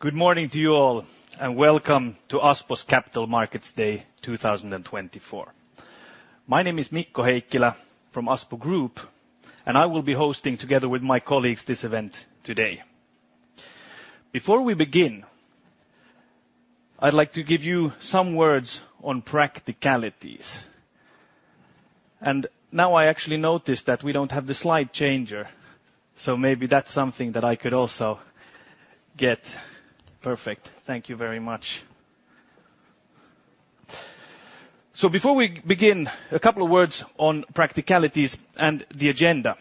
Good morning to you all, and welcome to Aspo's Capital Markets Day, 2024. My name is Mikko Heikkilä from Aspo Group, and I will be hosting, together with my colleagues, this event today. Before we begin, I'd like to give you some words on practicalities. And now I actually noticed that we don't have the slide changer, so maybe that's something that I could also get. Perfect. Thank you very much. So before we begin, a couple of words on practicalities and the agenda.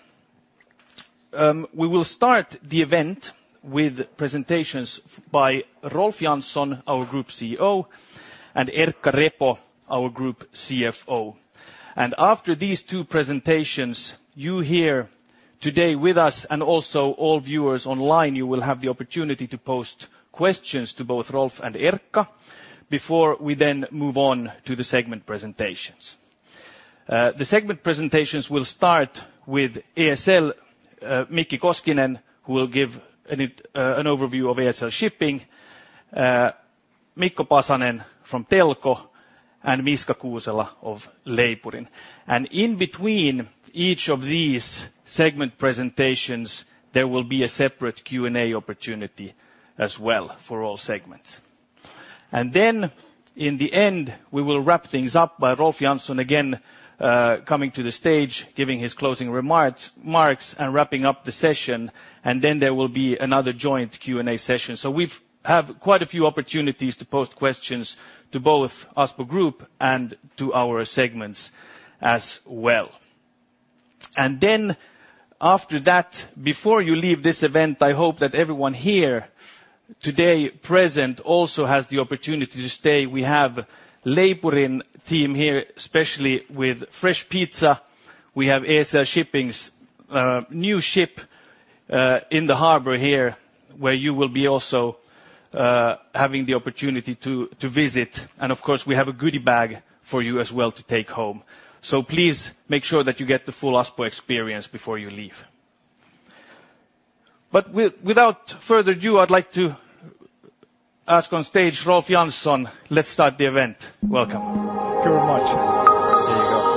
We will start the event with presentations by Rolf Jansson, our Group CEO, and Erkka Repo, our Group CFO. And after these two presentations, you here today with us, and also all viewers online, you will have the opportunity to post questions to both Rolf and Erkka before we then move on to the segment presentations. The segment presentations will start with ESL, Mikki Koskinen, who will give an overview of ESL Shipping, Mikko Pasanen from Telko, and Miska Kuusela of Leipurin. And in between each of these segment presentations, there will be a separate Q&A opportunity as well for all segments. And then, in the end, we will wrap things up by Rolf Jansson again, coming to the stage, giving his closing remarks, marks, and wrapping up the session, and then there will be another joint Q&A session. So we have quite a few opportunities to post questions to both Aspo Group and to our segments as well. And then after that, before you leave this event, I hope that everyone here today present also has the opportunity to stay. We have Leipurin team here, especially with fresh pizza. We have ESL Shipping's new ship in the harbor here, where you will be also having the opportunity to visit. And, of course, we have a goody bag for you as well to take home. So please make sure that you get the full Aspo experience before you leave. But without further ado, I'd like to ask on stage Rolf Jansson. Let's start the event. Welcome. Thank you very much. There you go.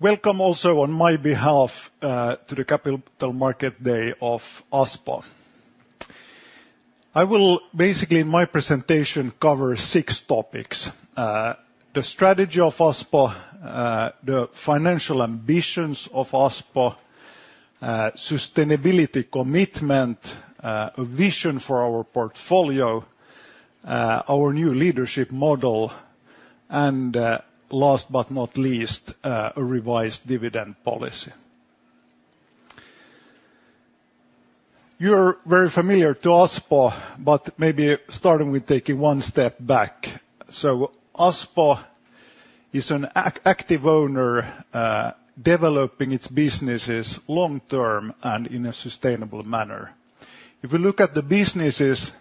Welcome also on my behalf to the Capital Markets Day of Aspo. I will basically, in my presentation, cover six topics: the strategy of Aspo, the financial ambitions of Aspo, sustainability commitment, vision for our portfolio, our new leadership model, and, last but not least, a revised dividend policy. You're very familiar to Aspo, but maybe starting with taking one step back. So Aspo is an active owner, developing its businesses long-term and in a sustainable manner. If we look at the businesses,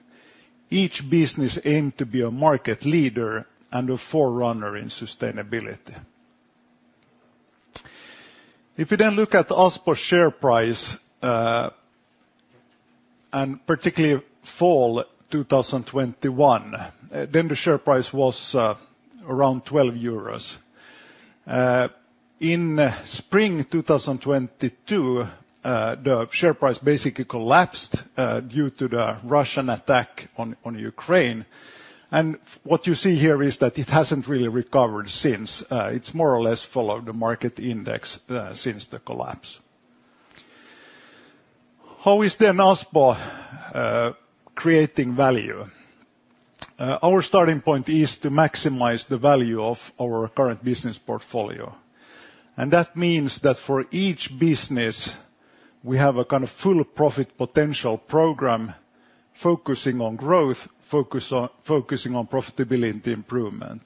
each business aim to be a market leader and a forerunner in sustainability. If we then look at Aspo share price, and particularly fall 2021, then the share price was around 12 euros. In spring 2022, the share price basically collapsed due to the Russian attack on Ukraine. And what you see here is that it hasn't really recovered since. It's more or less followed the market index since the collapse. How is then Aspo creating value? Our starting point is to maximize the value of our current business portfolio, and that means that for each business, we have a kind of full profit potential program focusing on growth, focusing on profitability improvement.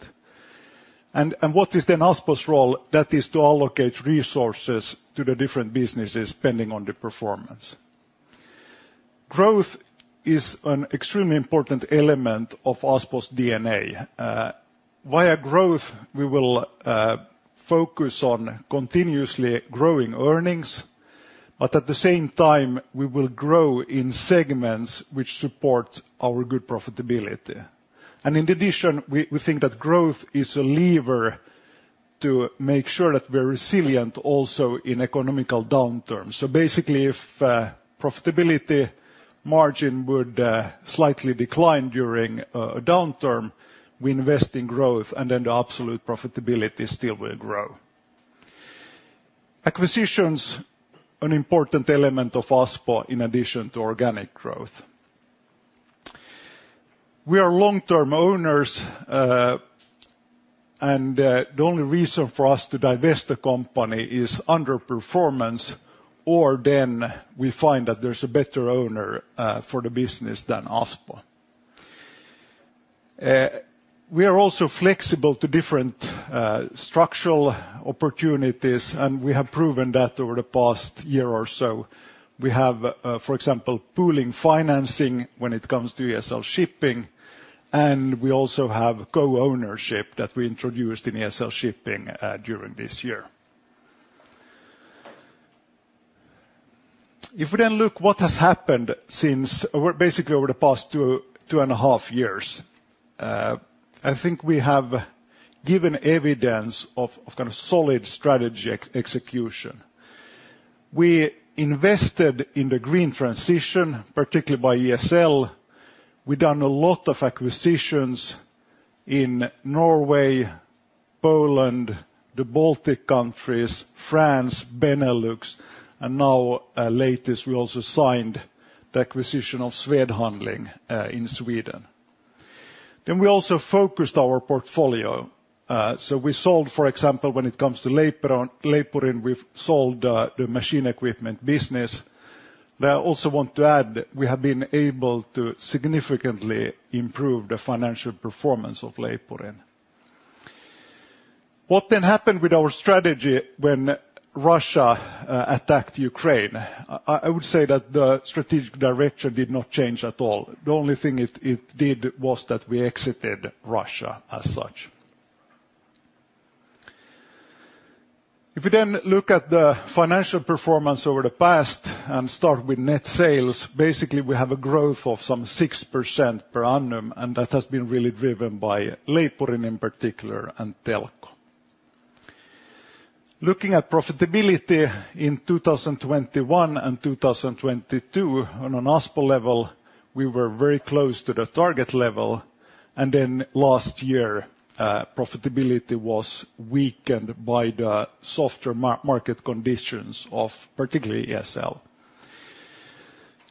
And what is then Aspo's role? That is to allocate resources to the different businesses, depending on the performance. Growth is an extremely important element of Aspo's DNA. Via growth, we will focus on continuously growing earnings, but at the same time, we will grow in segments which support our good profitability. In addition, we think that growth is a lever to make sure that we're resilient also in economic downturn. So basically, if profitability margin would slightly decline during a downturn, we invest in growth, and then the absolute profitability still will grow. Acquisitions, an important element of Aspo in addition to organic growth. We are long-term owners, and the only reason for us to divest the company is underperformance, or then we find that there's a better owner for the business than Aspo. We are also flexible to different structural opportunities, and we have proven that over the past year or so. We have, for example, pooling financing when it comes to ESL Shipping, and we also have co-ownership that we introduced in ESL Shipping during this year. If we then look what has happened since, we're basically over the past 2.5 years, I think we have given evidence of kind of solid strategy execution. We invested in the green transition, particularly by ESL. We've done a lot of acquisitions in Norway, Poland, the Baltic countries, France, Benelux, and now, latest, we also signed the acquisition of Swed Handling in Sweden. Then we also focused our portfolio. So we sold, for example, when it comes to Leipurin, we've sold the machine equipment business. But I also want to add, we have been able to significantly improve the financial performance of Leipurin. What then happened with our strategy when Russia attacked Ukraine? I would say that the strategic direction did not change at all. The only thing it did was that we exited Russia as such. If you then look at the financial performance over the past and start with net sales, basically, we have a growth of some 6% per annum, and that has been really driven by Leipurin, in particular, and Telko. Looking at profitability in 2021 and 2022, on an Aspo level, we were very close to the target level, and then last year, profitability was weakened by the softer mar-market conditions of particularly ESL.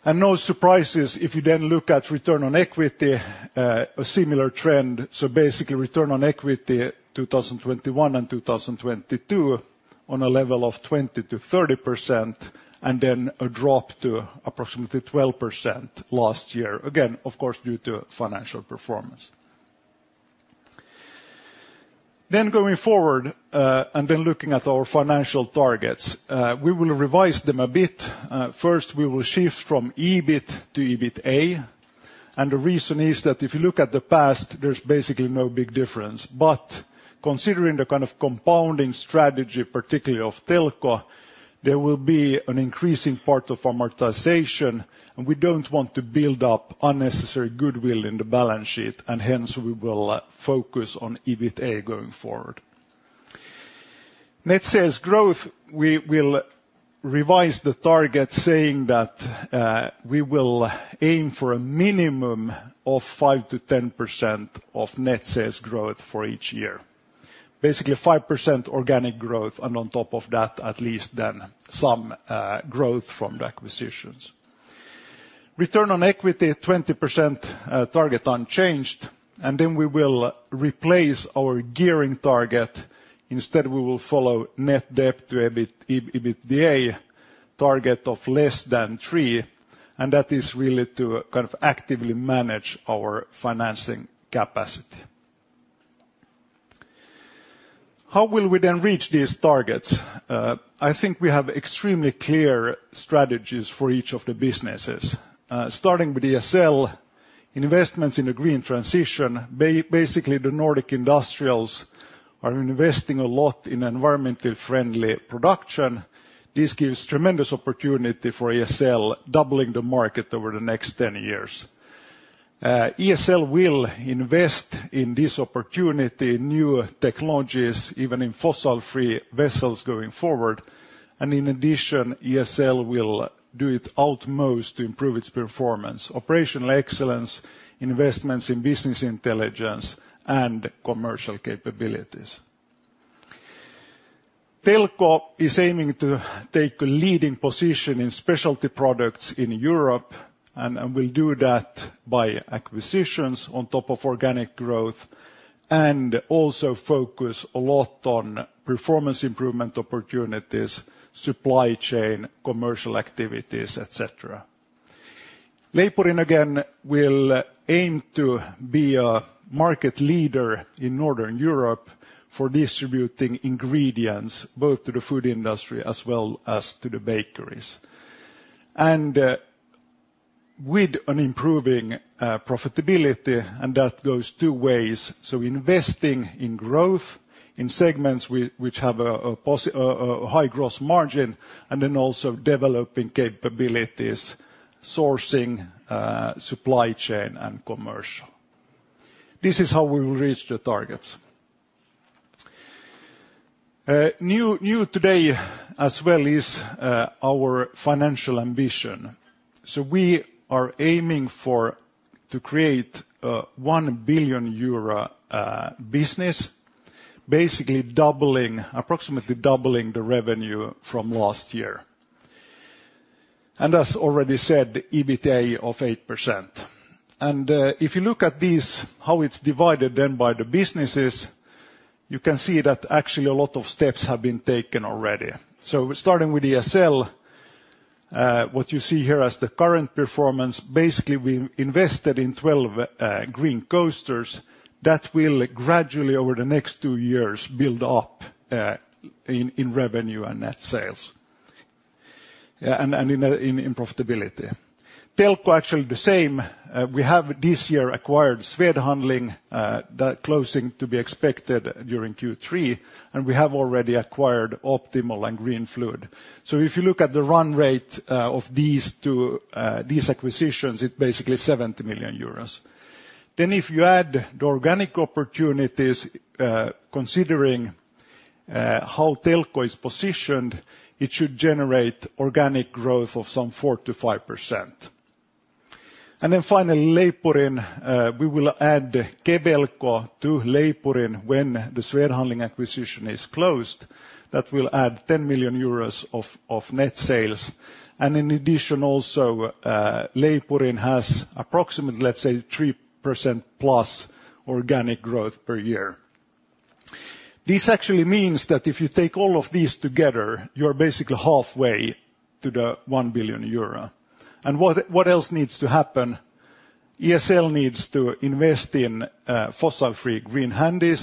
No surprises, if you then look at return on equity, a similar trend. So basically, return on equity, 2021 and 2022, on a level of 20%-30%, and then a drop to approximately 12% last year. Again, of course, due to financial performance. Going forward, and then looking at our financial targets, we will revise them a bit. First, we will shift from EBIT to EBITDA. And the reason is that if you look at the past, there's basically no big difference. But considering the kind of compounding strategy, particularly of Telko, there will be an increasing part of amortization, and we don't want to build up unnecessary goodwill in the balance sheet, and hence, we will focus on EBITDA going forward. Net sales growth, we will revise the target, saying that we will aim for a minimum of 5%-10% net sales growth for each year. Basically, 5% organic growth, and on top of that, at least then some growth from the acquisitions. Return on equity, 20% target unchanged, and then we will replace our gearing target. Instead, we will follow net debt to EBIT, EBITDA, target of less than three, and that is really to kind of actively manage our financing capacity. How will we then reach these targets? I think we have extremely clear strategies for each of the businesses. Starting with ESL, investments in the green transition, basically, the Nordic industrials are investing a lot in environmentally friendly production. This gives tremendous opportunity for ESL, doubling the market over the next 10 years. ESL will invest in this opportunity, new technologies, even in fossil-free vessels going forward. And in addition, ESL will do its utmost to improve its performance, operational excellence, investments in business intelligence, and commercial capabilities. Telko is aiming to take a leading position in specialty products in Europe, and will do that by acquisitions on top of organic growth, and also focus a lot on performance improvement opportunities, supply chain, commercial activities, et cetera. Leipurin, again, will aim to be a market leader in Northern Europe for distributing ingredients, both to the food industry as well as to the bakeries. With an improving profitability, and that goes two ways, so investing in growth in segments which have a high gross margin, and then also developing capabilities, sourcing, supply chain, and commercial. This is how we will reach the targets. New today as well is our financial ambition. So we are aiming to create a 1 billion euro business, basically doubling, approximately doubling the revenue from last year. As already said, EBITDA of 8%. If you look at this, how it's divided then by the businesses, you can see that actually a lot of steps have been taken already. So starting with ESL, what you see here as the current performance, basically, we invested in 12 green coasters that will gradually, over the next two years, build up in revenue and net sales and in profitability. Telko actually the same. We have this year acquired Swed Handling, that closing to be expected during Q3, and we have already acquired Optimal and Greenfluid. So if you look at the run rate of these two acquisitions, it's basically 70 million euros. Then if you add the organic opportunities, considering how Telko is positioned, it should generate organic growth of some 4%-5%. And then finally, Leipurin, we will add Kebelco to Leipurin when the Swed Handling acquisition is closed. That will add 10 million euros of net sales. And in addition, also, Leipurin has approximately, let's say, 3%+ organic growth per year. This actually means that if you take all of these together, you're basically halfway to the 1 billion euro. And what else needs to happen? ESL needs to invest in fossil-free Green Handy.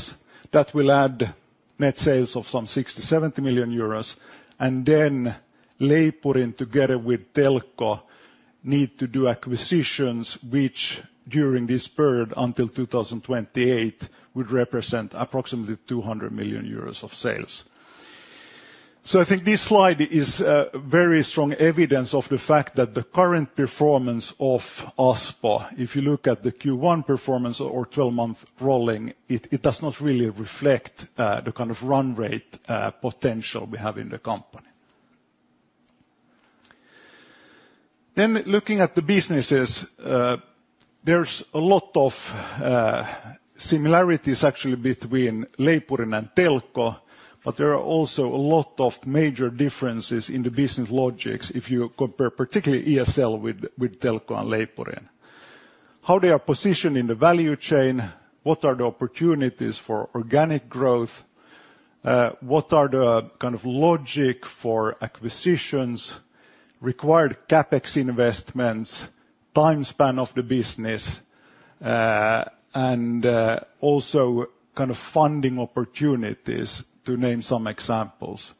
That will add net sales of some 60 million-70 million euros. And then Leipurin, together with Telko, need to do acquisitions which, during this period until 2028, would represent approximately 200 million euros of sales. So I think this slide is very strong evidence of the fact that the current performance of Aspo, if you look at the Q1 performance or twelve-month rolling, it does not really reflect the kind of run rate potential we have in the company. Then looking at the businesses, there's a lot of similarities actually between Leipurin and Telko, but there are also a lot of major differences in the business logics if you compare, particularly ESL with Telko and Leipurin. How they are positioned in the value chain? What are the opportunities for organic growth? What are the kind of logic for acquisitions, required CapEx investments, time span of the business, and also kind of funding opportunities, to name some examples.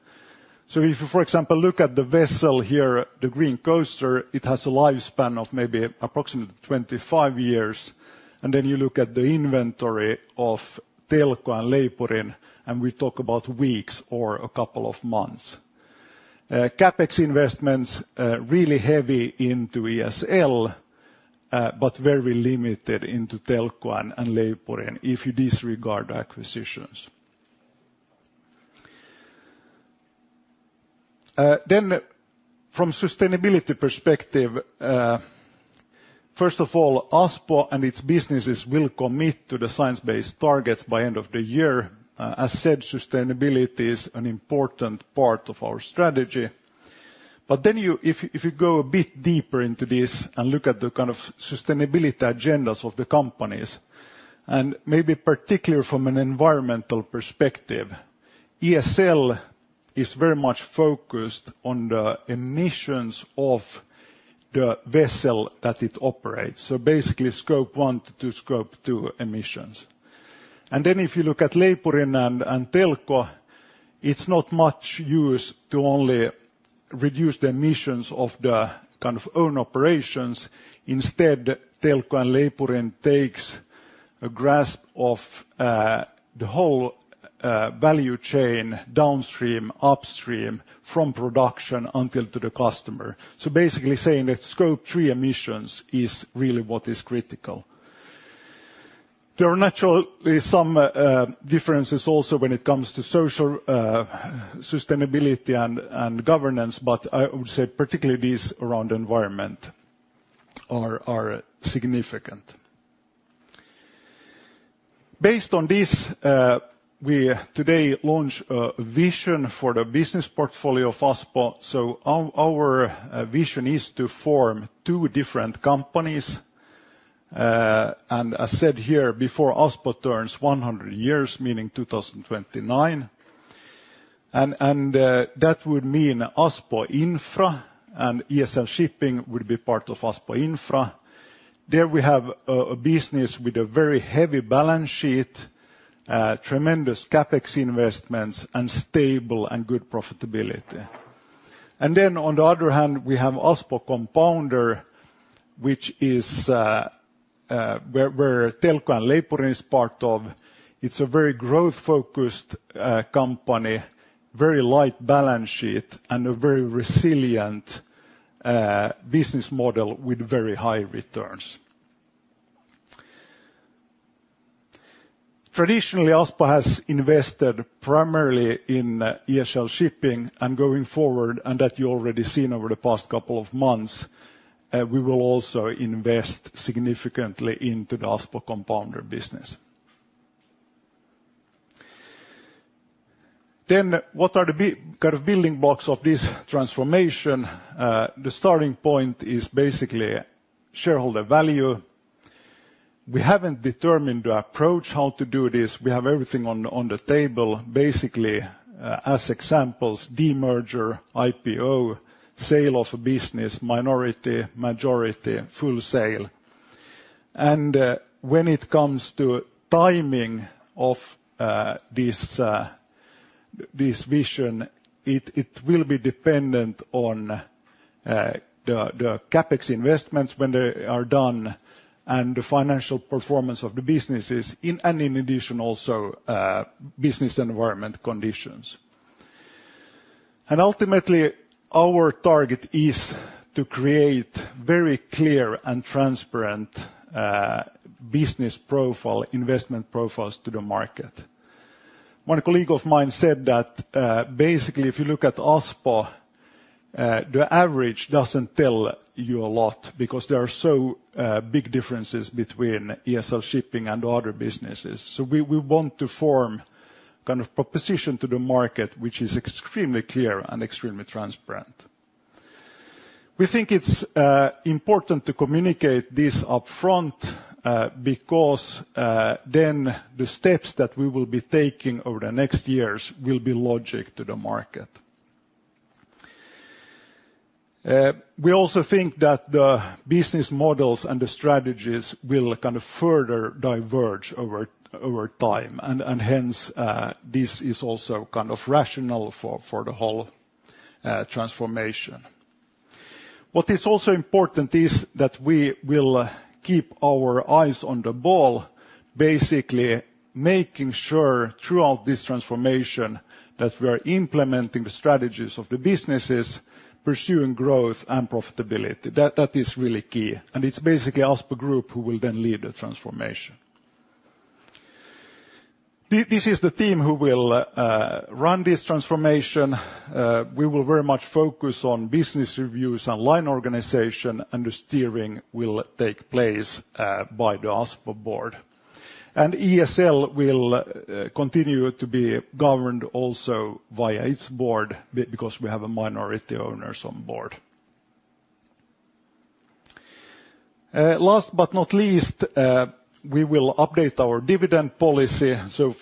So if you, for example, look at the vessel here, the Green Coaster, it has a lifespan of maybe approximately 25 years, and then you look at the inventory of Telko and Leipurin, and we talk about weeks or a couple of months. CapEx investments, really heavy into ESL, but very limited into Telko and, and Leipurin, if you disregard acquisitions. Then from sustainability perspective, first of all, Aspo and its businesses will commit to the science-based targets by end of the year. As said, sustainability is an important part of our strategy. But then if you go a bit deeper into this and look at the kind of sustainability agendas of the companies, and maybe particularly from an environmental perspective, ESL is very much focused on the emissions of the vessel that it operates, so basically Scope 1 to Scope 2 emissions. And then if you look at Leipurin and Telko, it's not much use to only reduce the emissions of the kind of own operations. Instead, Telko and Leipurin takes a grasp of the whole value chain downstream, upstream, from production until to the customer. So basically saying that Scope 3 emissions is really what is critical. There are naturally some differences also when it comes to social sustainability and governance, but I would say particularly these around environment are significant. Based on this, we today launch a vision for the business portfolio of Aspo. So our vision is to form two different companies, and as said here, before Aspo turns 100 years, meaning 2029. And that would mean Aspo Infra and ESL Shipping would be part of Aspo Infra. There we have a business with a very heavy balance sheet, tremendous CapEx investments, and stable and good profitability. And then on the other hand, we have Aspo Compounder, which is where Telko and Leipurin is part of. It's a very growth-focused company, very light balance sheet, and a very resilient business model with very high returns. Traditionally, Aspo has invested primarily in ESL Shipping and going forward, and that you already seen over the past couple of months, we will also invest significantly into the Aspo Compounder business. Then, what are the kind of building blocks of this transformation? The starting point is basically shareholder value. We haven't determined the approach how to do this. We have everything on the table, basically, as examples, demerger, IPO, sale of a business, minority, majority, full sale.... And, when it comes to timing of this vision, it will be dependent on the CapEx investments when they are done, and the financial performance of the businesses, and in addition, also, business environment conditions. And ultimately, our target is to create very clear and transparent, business profile, investment profiles to the market. One colleague of mine said that, basically, if you look at Aspo, the average doesn't tell you a lot because there are so, big differences between ESL Shipping and other businesses. So we, we want to form kind of proposition to the market, which is extremely clear and extremely transparent. We think it's, important to communicate this upfront, because, then the steps that we will be taking over the next years will be logical to the market. We also think that the business models and the strategies will kind of further diverge over, over time, and, and hence, this is also kind of rational for, for the whole, transformation. What is also important is that we will keep our eyes on the ball, basically making sure throughout this transformation that we are implementing the strategies of the businesses, pursuing growth and profitability. That, that is really key, and it's basically Aspo Group who will then lead the transformation. This is the team who will run this transformation. We will very much focus on business reviews and line organization, and the steering will take place by the Aspo board. And ESL will continue to be governed also via its board, because we have a minority owners on board. Last but not least, we will update our dividend policy. So,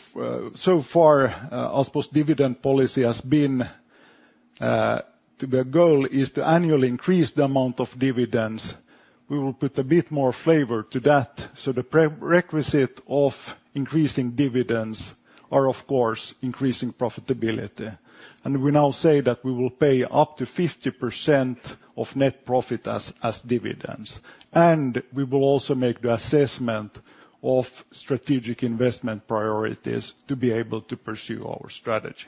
so far, Aspo's dividend policy has been to... The goal is to annually increase the amount of dividends. We will put a bit more flavor to that, so the prerequisite of increasing dividends are, of course, increasing profitability. And we now say that we will pay up to 50% of net profit as dividends, and we will also make the assessment of strategic investment priorities to be able to pursue our strategy.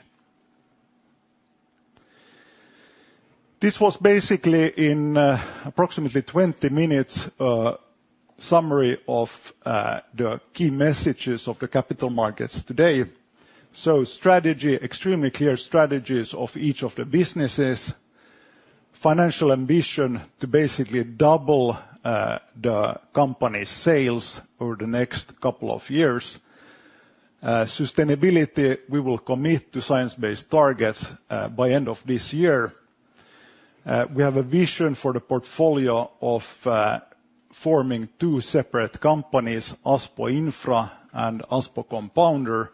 This was basically in approximately 20 minutes summary of the key messages of the Capital Markets Day. So strategy, extremely clear strategies of each of the businesses. Financial ambition to basically double the company's sales over the next couple of years. Sustainability, we will commit to Science Based Targets by end of this year. We have a vision for the portfolio of forming two separate companies, Aspo Infra and Aspo Compounder.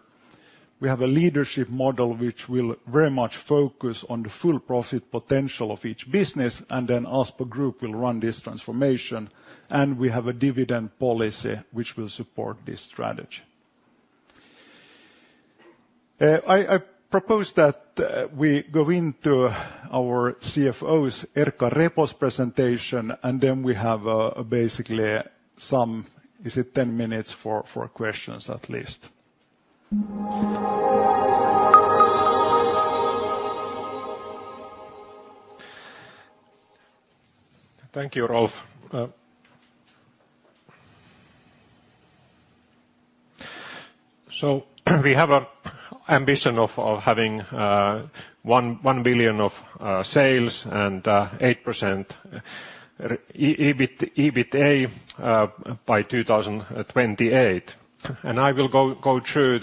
We have a leadership model which will very much focus on the full profit potential of each business, and then Aspo Group will run this transformation, and we have a dividend policy which will support this strategy. I propose that we go into our CFO’s, Erkka Repo’s presentation, and then we have basically some, is it 10 minutes for questions, at least? Thank you, Rolf. So, we have an ambition of having 1 billion of sales and 8% EBITDA by 2028. I will go through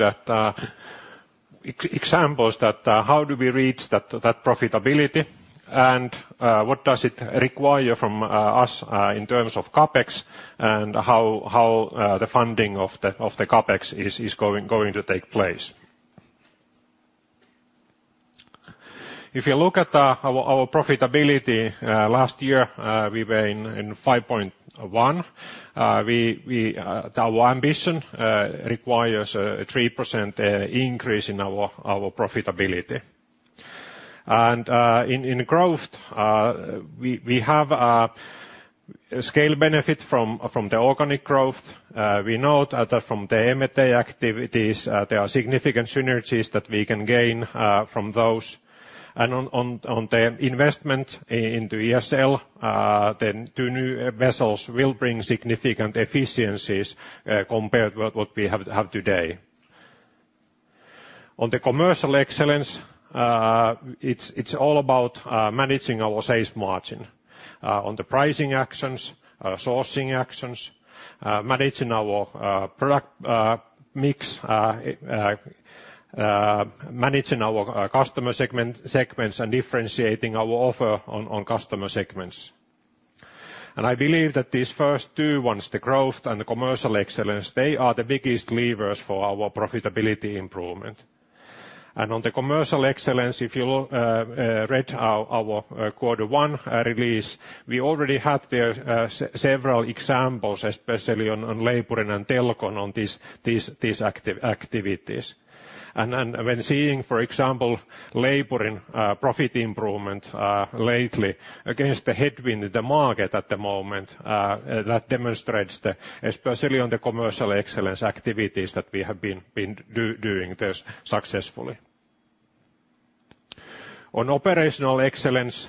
examples that how do we reach that profitability, and what does it require from us in terms of CapEx, and how the funding of the CapEx is going to take place. If you look at our profitability last year, we were in 5.1. Our ambition requires a 3% increase in our profitability. In growth, we have a scale benefit from the organic growth. We know that from the M&A activities, there are significant synergies that we can gain from those. And on the investment into ESL, then two new vessels will bring significant efficiencies compared with what we have today. On the commercial excellence, it's all about managing our sales margin on the pricing actions, sourcing actions, managing our product mix, managing our customer segments, and differentiating our offer on customer segments. And I believe that these first two ones, the growth and the commercial excellence, they are the biggest levers for our profitability improvement. And on the commercial excellence, if you read our quarter one release, we already had there several examples, especially on Leipurin and Telko on these activities. And then when seeing, for example, Leipurin and profit improvement lately, against the headwind in the market at the moment, that demonstrates the, especially on the commercial excellence activities, that we have been doing this successfully. On operational excellence,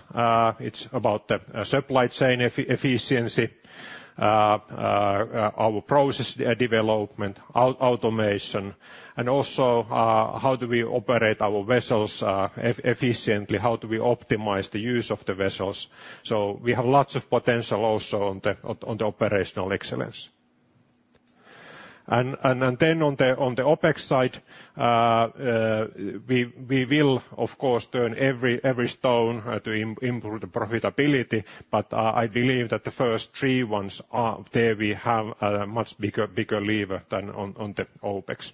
it's about the supply chain efficiency, our process development, automation, and also how do we operate our vessels efficiently? How do we optimize the use of the vessels? So we have lots of potential also on the operational excellence. Then on the OpEx side, we will, of course, turn every stone to improve the profitability, but I believe that the first three ones are... There we have a much bigger lever than on the OpEx.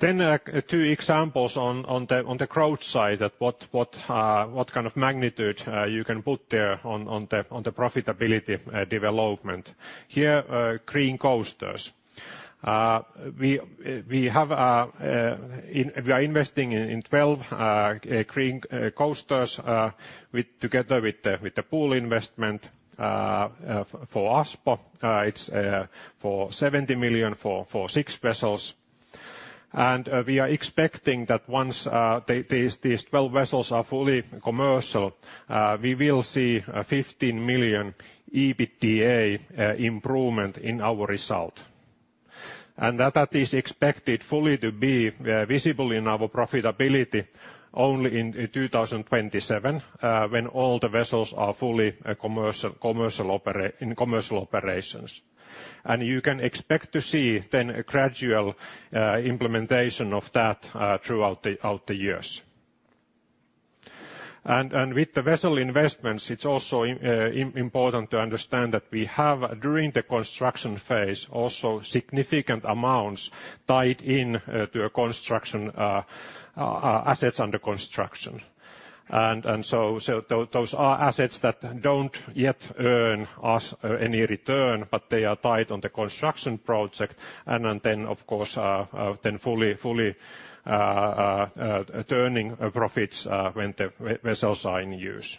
Then two examples on the growth side, that what kind of magnitude you can put there on the profitability development. Here, Green Coasters. We are investing in 12 Green Coasters together with the pool investment. For Aspo, it's 70 million for six vessels. We are expecting that once these 12 vessels are fully commercial, we will see a 15 million EBITDA improvement in our result. And that is expected fully to be visible in our profitability only in 2027, when all the vessels are fully in commercial operations. And you can expect to see then a gradual implementation of that throughout the years. And with the vessel investments, it's also important to understand that we have, during the construction phase, also significant amounts tied in to assets under construction. And so those are assets that don't yet earn us any return, but they are tied on the construction project. And then, of course, then fully turning profits when the vessels are in use.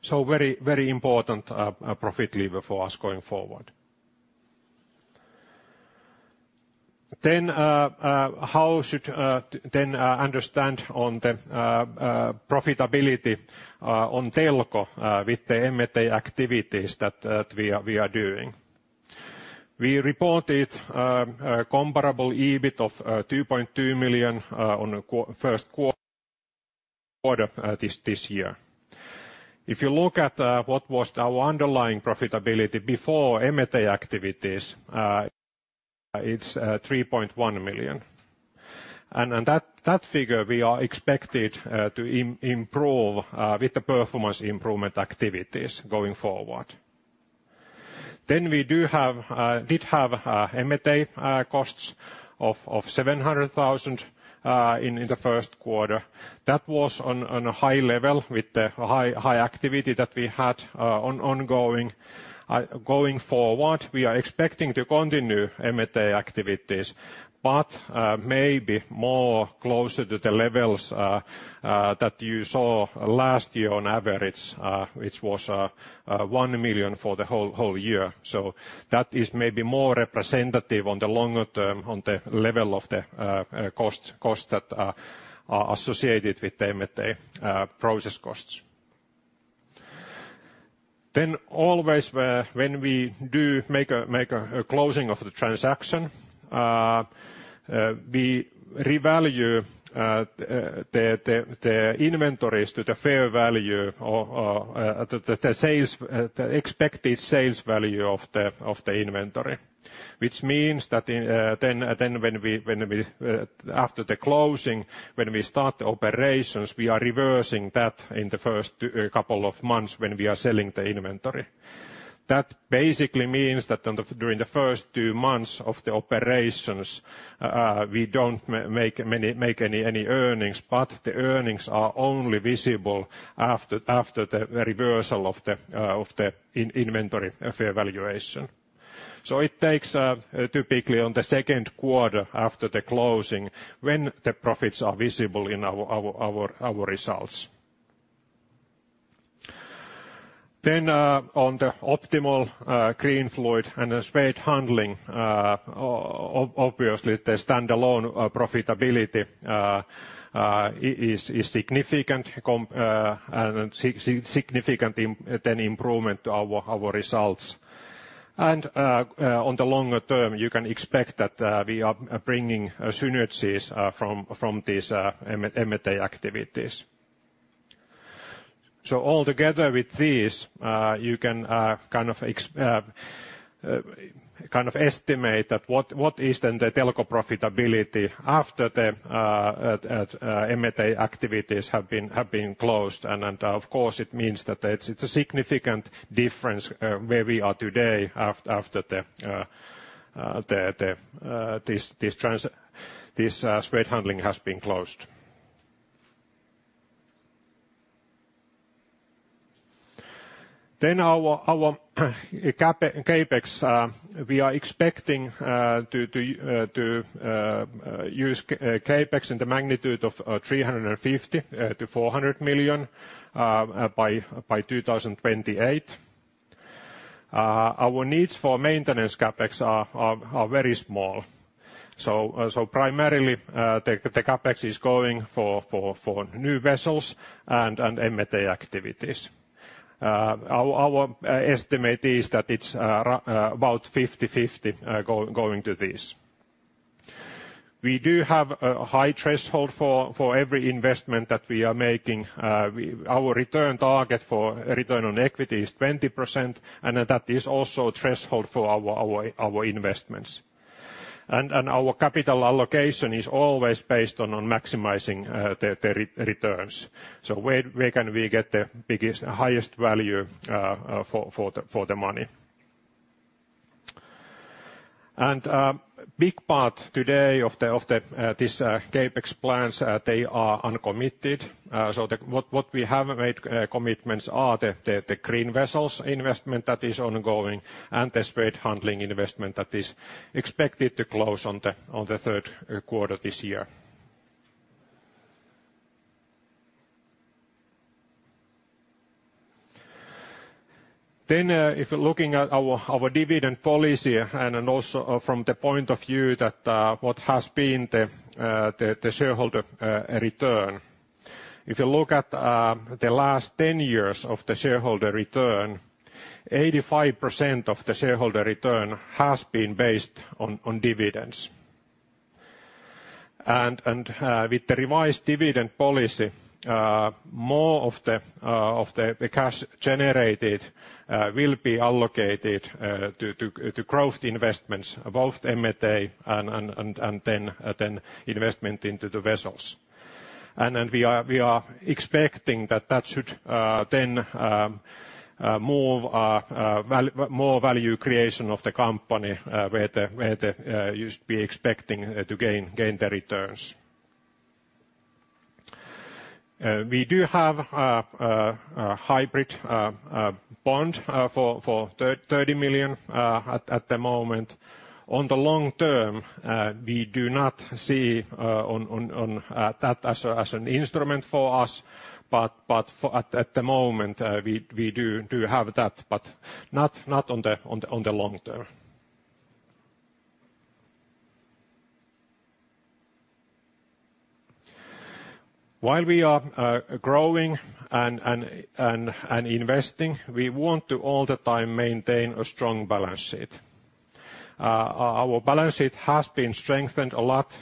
So very important profit lever for us going forward. Then how should then understand on the profitability on Telko with the M&A activities that we are doing? We reported a comparable EBIT of 2.2 million on the first quarter this year. If you look at what was our underlying profitability before M&A activities, it's 3.1 million. And that figure we are expected to improve with the performance improvement activities going forward. Then we did have M&A costs of 700 thousand in the first quarter. That was on a high level, with the high activity that we had ongoing. Going forward, we are expecting to continue M&A activities, but maybe more closer to the levels that you saw last year on average, which was 1 million for the whole year. So that is maybe more representative on the longer term, on the level of the costs that are associated with the M&A process costs. Then always when we do make a closing of the transaction, we revalue the inventories to the fair value or the sales, the expected sales value of the inventory. Which means that, then when we, after the closing, when we start the operations, we are reversing that in the first couple of months when we are selling the inventory. That basically means that during the first two months of the operations, we don't make any earnings, but the earnings are only visible after the reversal of the inventory fair valuation. So it takes typically on the second quarter after the closing, when the profits are visible in our results. Then, on the Optimal, Greenfluid and Swed Handling, obviously, the standalone profitability is significant, significant improvement to our results. On the longer term, you can expect that we are bringing synergies from these M&A activities. So all together with these, you can kind of estimate that what is then the Telko profitability after the M&A activities have been closed? And then, of course, it means that it's a significant difference where we are today after this Swed Handling has been closed. Then our CapEx we are expecting to use CapEx in the magnitude of 350 million-400 million by 2028. Our needs for maintenance CapEx are very small. So, primarily, the CapEx is going for new vessels and M&A activities. Our estimate is that it's around about 50/50 going to this. We do have a high threshold for every investment that we are making. Our return target for return on equity is 20%, and that is also a threshold for our investments. Our capital allocation is always based on maximizing the returns. So where can we get the biggest, highest value for the money? A big part today of this CapEx plans, they are uncommitted. So the commitments we have made are the green vessels investment that is ongoing, and the Swed Handling investment that is expected to close on the third quarter this year. Then, if you're looking at our dividend policy and also from the point of view that what has been the shareholder return. If you look at the last 10 years of the shareholder return, 85% of the shareholder return has been based on dividends. With the revised dividend policy, more of the cash generated will be allocated to growth investments, both M&A and investment into the vessels. And then we are expecting that that should then move more value creation of the company, where the, where the, you'd be expecting to gain the returns. We do have a hybrid bond for 30 million at the moment. On the long term, we do not see that as an instrument for us, but for the moment, we do have that, but not on the long term. While we are growing and investing, we want to all the time maintain a strong balance sheet. Our balance sheet has been strengthened a lot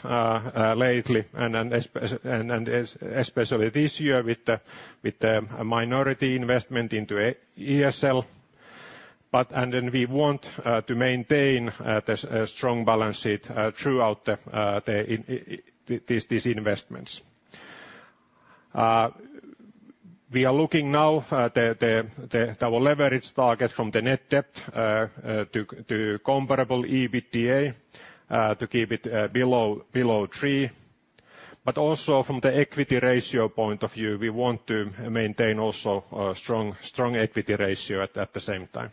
lately, and especially this year with the minority investment into ESL. But we want to maintain the strong balance sheet throughout these investments. We are looking now at our leverage target from the net debt to comparable EBITDA to keep it below three. But also from the equity ratio point of view, we want to maintain also a strong equity ratio at the same time.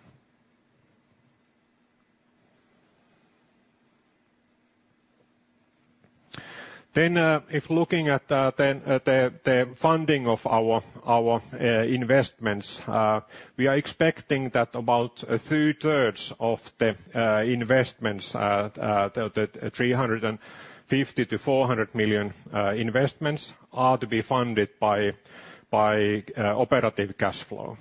If looking at the funding of our investments, we are expecting that about two-thirds of the investments, the 350 million-400 million investments, are to be funded by operative cash flow.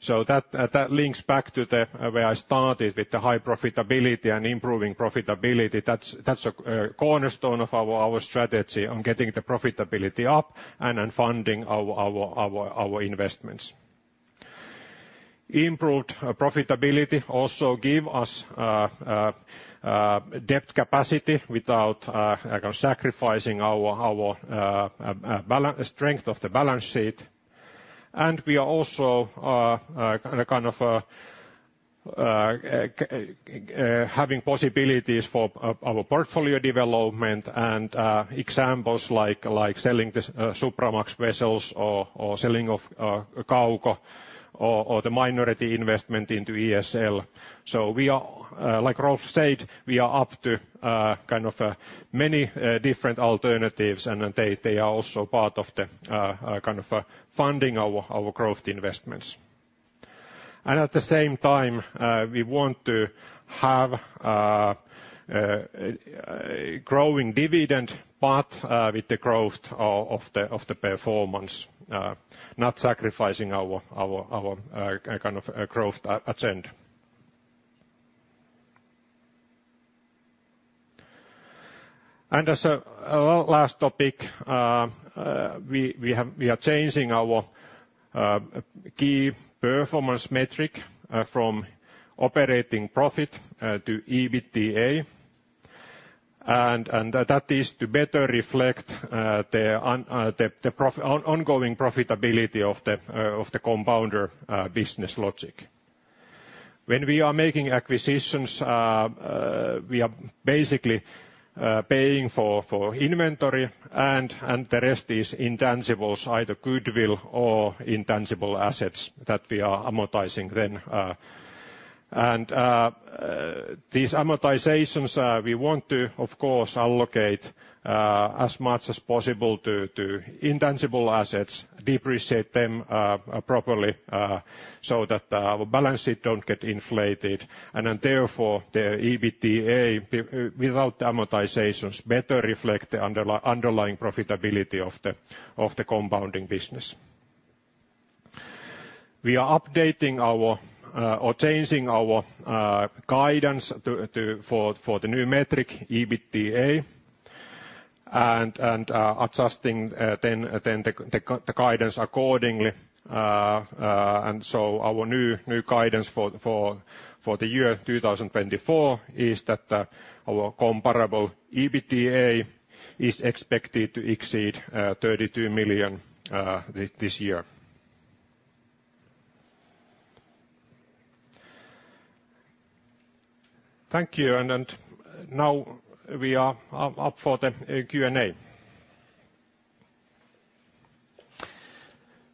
So that links back to where I started with the high profitability and improving profitability. That's a cornerstone of our strategy on getting the profitability up and then funding our investments. Improved profitability also give us debt capacity without sacrificing our balance sheet strength. And we are also kind of having possibilities for our portfolio development and examples like selling the Supramax vessels or selling of Kauko or the minority investment into ESL. So we are, like Rolf said, we are up to kind of many different alternatives, and then they are also part of the kind of funding our growth investments. And at the same time we want to have growing dividend, but with the growth of the performance not sacrificing our kind of growth agenda. And as a last topic, we are changing our key performance metric from operating profit to EBITDA. That is to better reflect the ongoing profitability of the compounder business logic. When we are making acquisitions, we are basically paying for inventory, and the rest is intangibles, either goodwill or intangible assets that we are amortizing then. These amortizations we want to, of course, allocate as much as possible to intangible assets, depreciate them properly, so that our balance sheet don't get inflated. Therefore, the EBITDA without the amortizations better reflect the underlying profitability of the compounding business. We are updating our or changing our guidance to for the new metric, EBITDA, and adjusting then the guidance accordingly. And so our new guidance for the year 2024 is that our comparable EBITDA is expected to exceed 32 million this year. Thank you. And now we are up for the Q&A.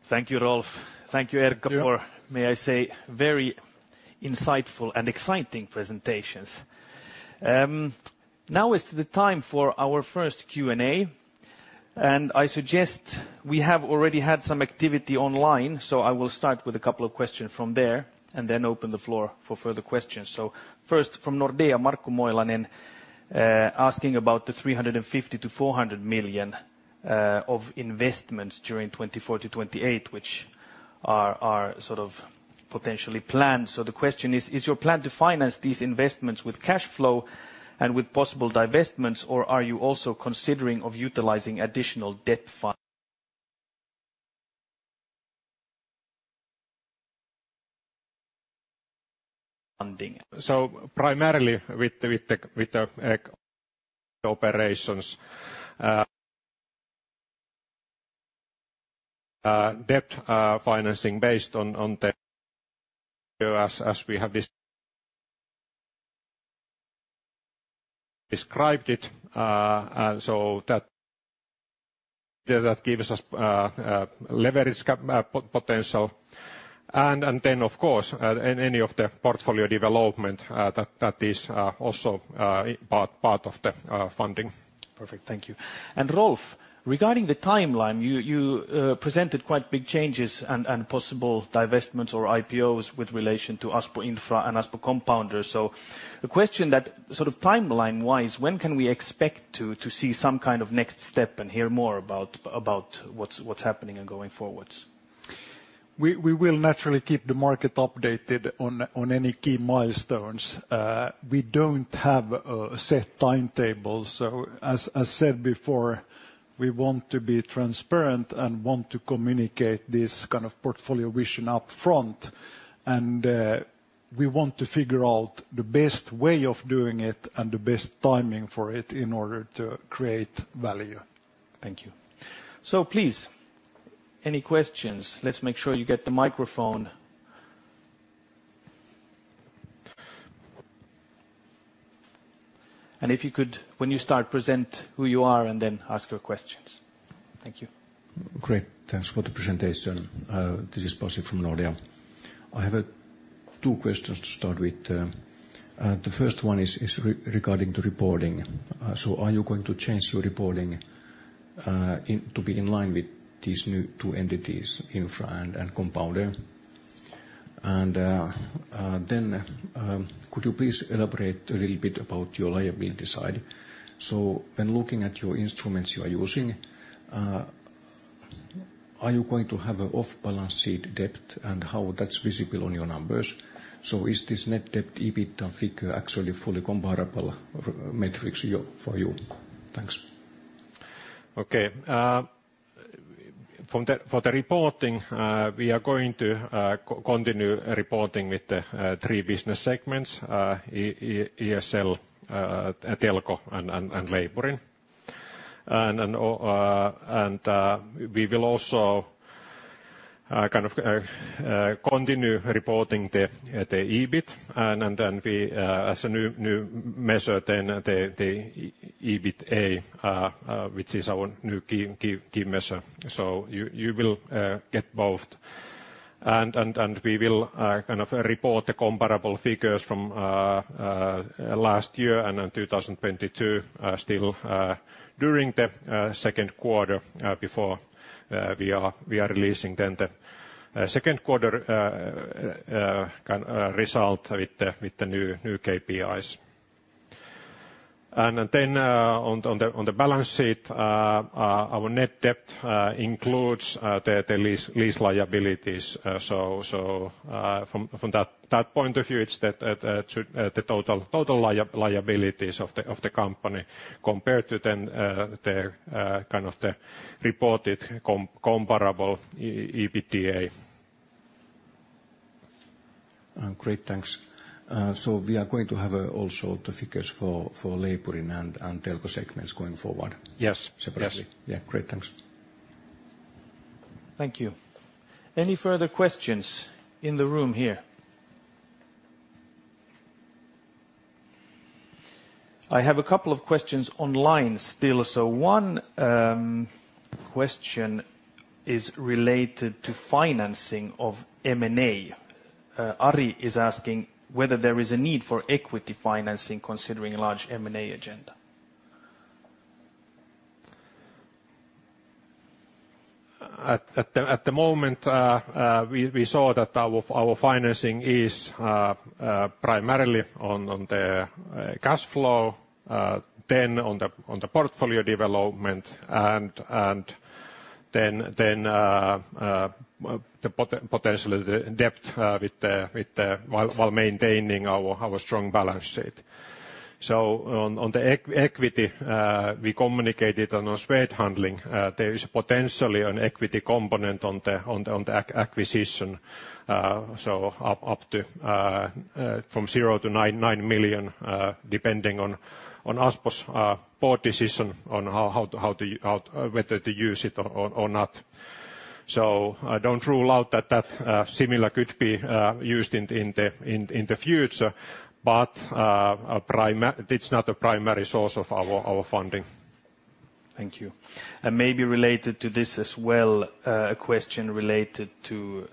Thank you, Rolf. Thank you, Erkka- Yeah. For, may I say, very insightful and exciting presentations. Now is the time for our first Q&A, and I suggest we have already had some activity online, so I will start with a couple of questions from there, and then open the floor for further questions. So first, from Nordea, Markku Moilanen, asking about the 350-400 million of investments during 2024-2028, which are sort of potentially planned. So the question is: "Is your plan to finance these investments with cash flow and with possible divestments, or are you also considering of utilizing additional debt funding? So primarily with the operations debt financing, based on, as we have described it, and so that gives us leverage potential. And then, of course, any of the portfolio development that is also part of the funding. Perfect. Thank you. And Rolf, regarding the timeline, you presented quite big changes and possible divestments or IPOs with relation to Aspo Infra and Aspo Compounders. So the question that, sort of timeline-wise, when can we expect to see some kind of next step and hear more about what's happening and going forwards? We will naturally keep the market updated on any key milestones. We don't have set timetables, so as said before, we want to be transparent and want to communicate this kind of portfolio vision up front. We want to figure out the best way of doing it and the best timing for it in order to create value. Thank you. Please, any questions? Let's make sure you get the microphone. If you could, when you start, present who you are, and then ask your questions. Thank you. Great. Thanks for the presentation. This is Pasi from Nordea. I have two questions to start with. The first one is regarding the reporting. So are you going to change your reporting to be in line with these new two entities, Infra and Compounder? And then could you please elaborate a little bit about your liability side? So when looking at your instruments you are using, are you going to have a off-balance sheet debt, and how that's visible on your numbers? So is this net debt EBITDA figure actually fully comparable metrics for you? Thanks. Okay. For the reporting, we are going to continue reporting with the three business segments, ESL, Telko and Leipurin. And we will also kind of continue reporting the EBIT, and then as a new measure, the EBITDA, which is our new key measure. So you will get both. And we will kind of report the comparable figures from last year and in 2022 still during the second quarter before we are releasing then the second quarter kind of result with the new KPIs. And then, on the balance sheet, our net debt includes the lease liabilities. So, from that point of view, it's that should the total liabilities of the company compared to the kind of the reported comparable EBITDA. Great, thanks. So we are going to have also the figures for Leipurin and Telko segments going forward? Yes. Separately. Yes. Yeah, great. Thanks. Thank you. Any further questions in the room here? I have a couple of questions online still. One question is related to financing of M&A. Ari is asking whether there is a need for equity financing, considering a large M&A agenda. At the moment, we saw that our financing is primarily on the cash flow, then on the portfolio development, and then potentially the debt, with the... While maintaining our strong balance sheet. So on the equity, we communicated on our Swed Handling, there is potentially an equity component on the acquisition. So up to from zero to 9 million, depending on Aspo's board decision on how to whether to use it or not. So I don't rule out that similar could be used in the future, but it's not a primary source of our funding. Thank you. Maybe related to this as well, a question related to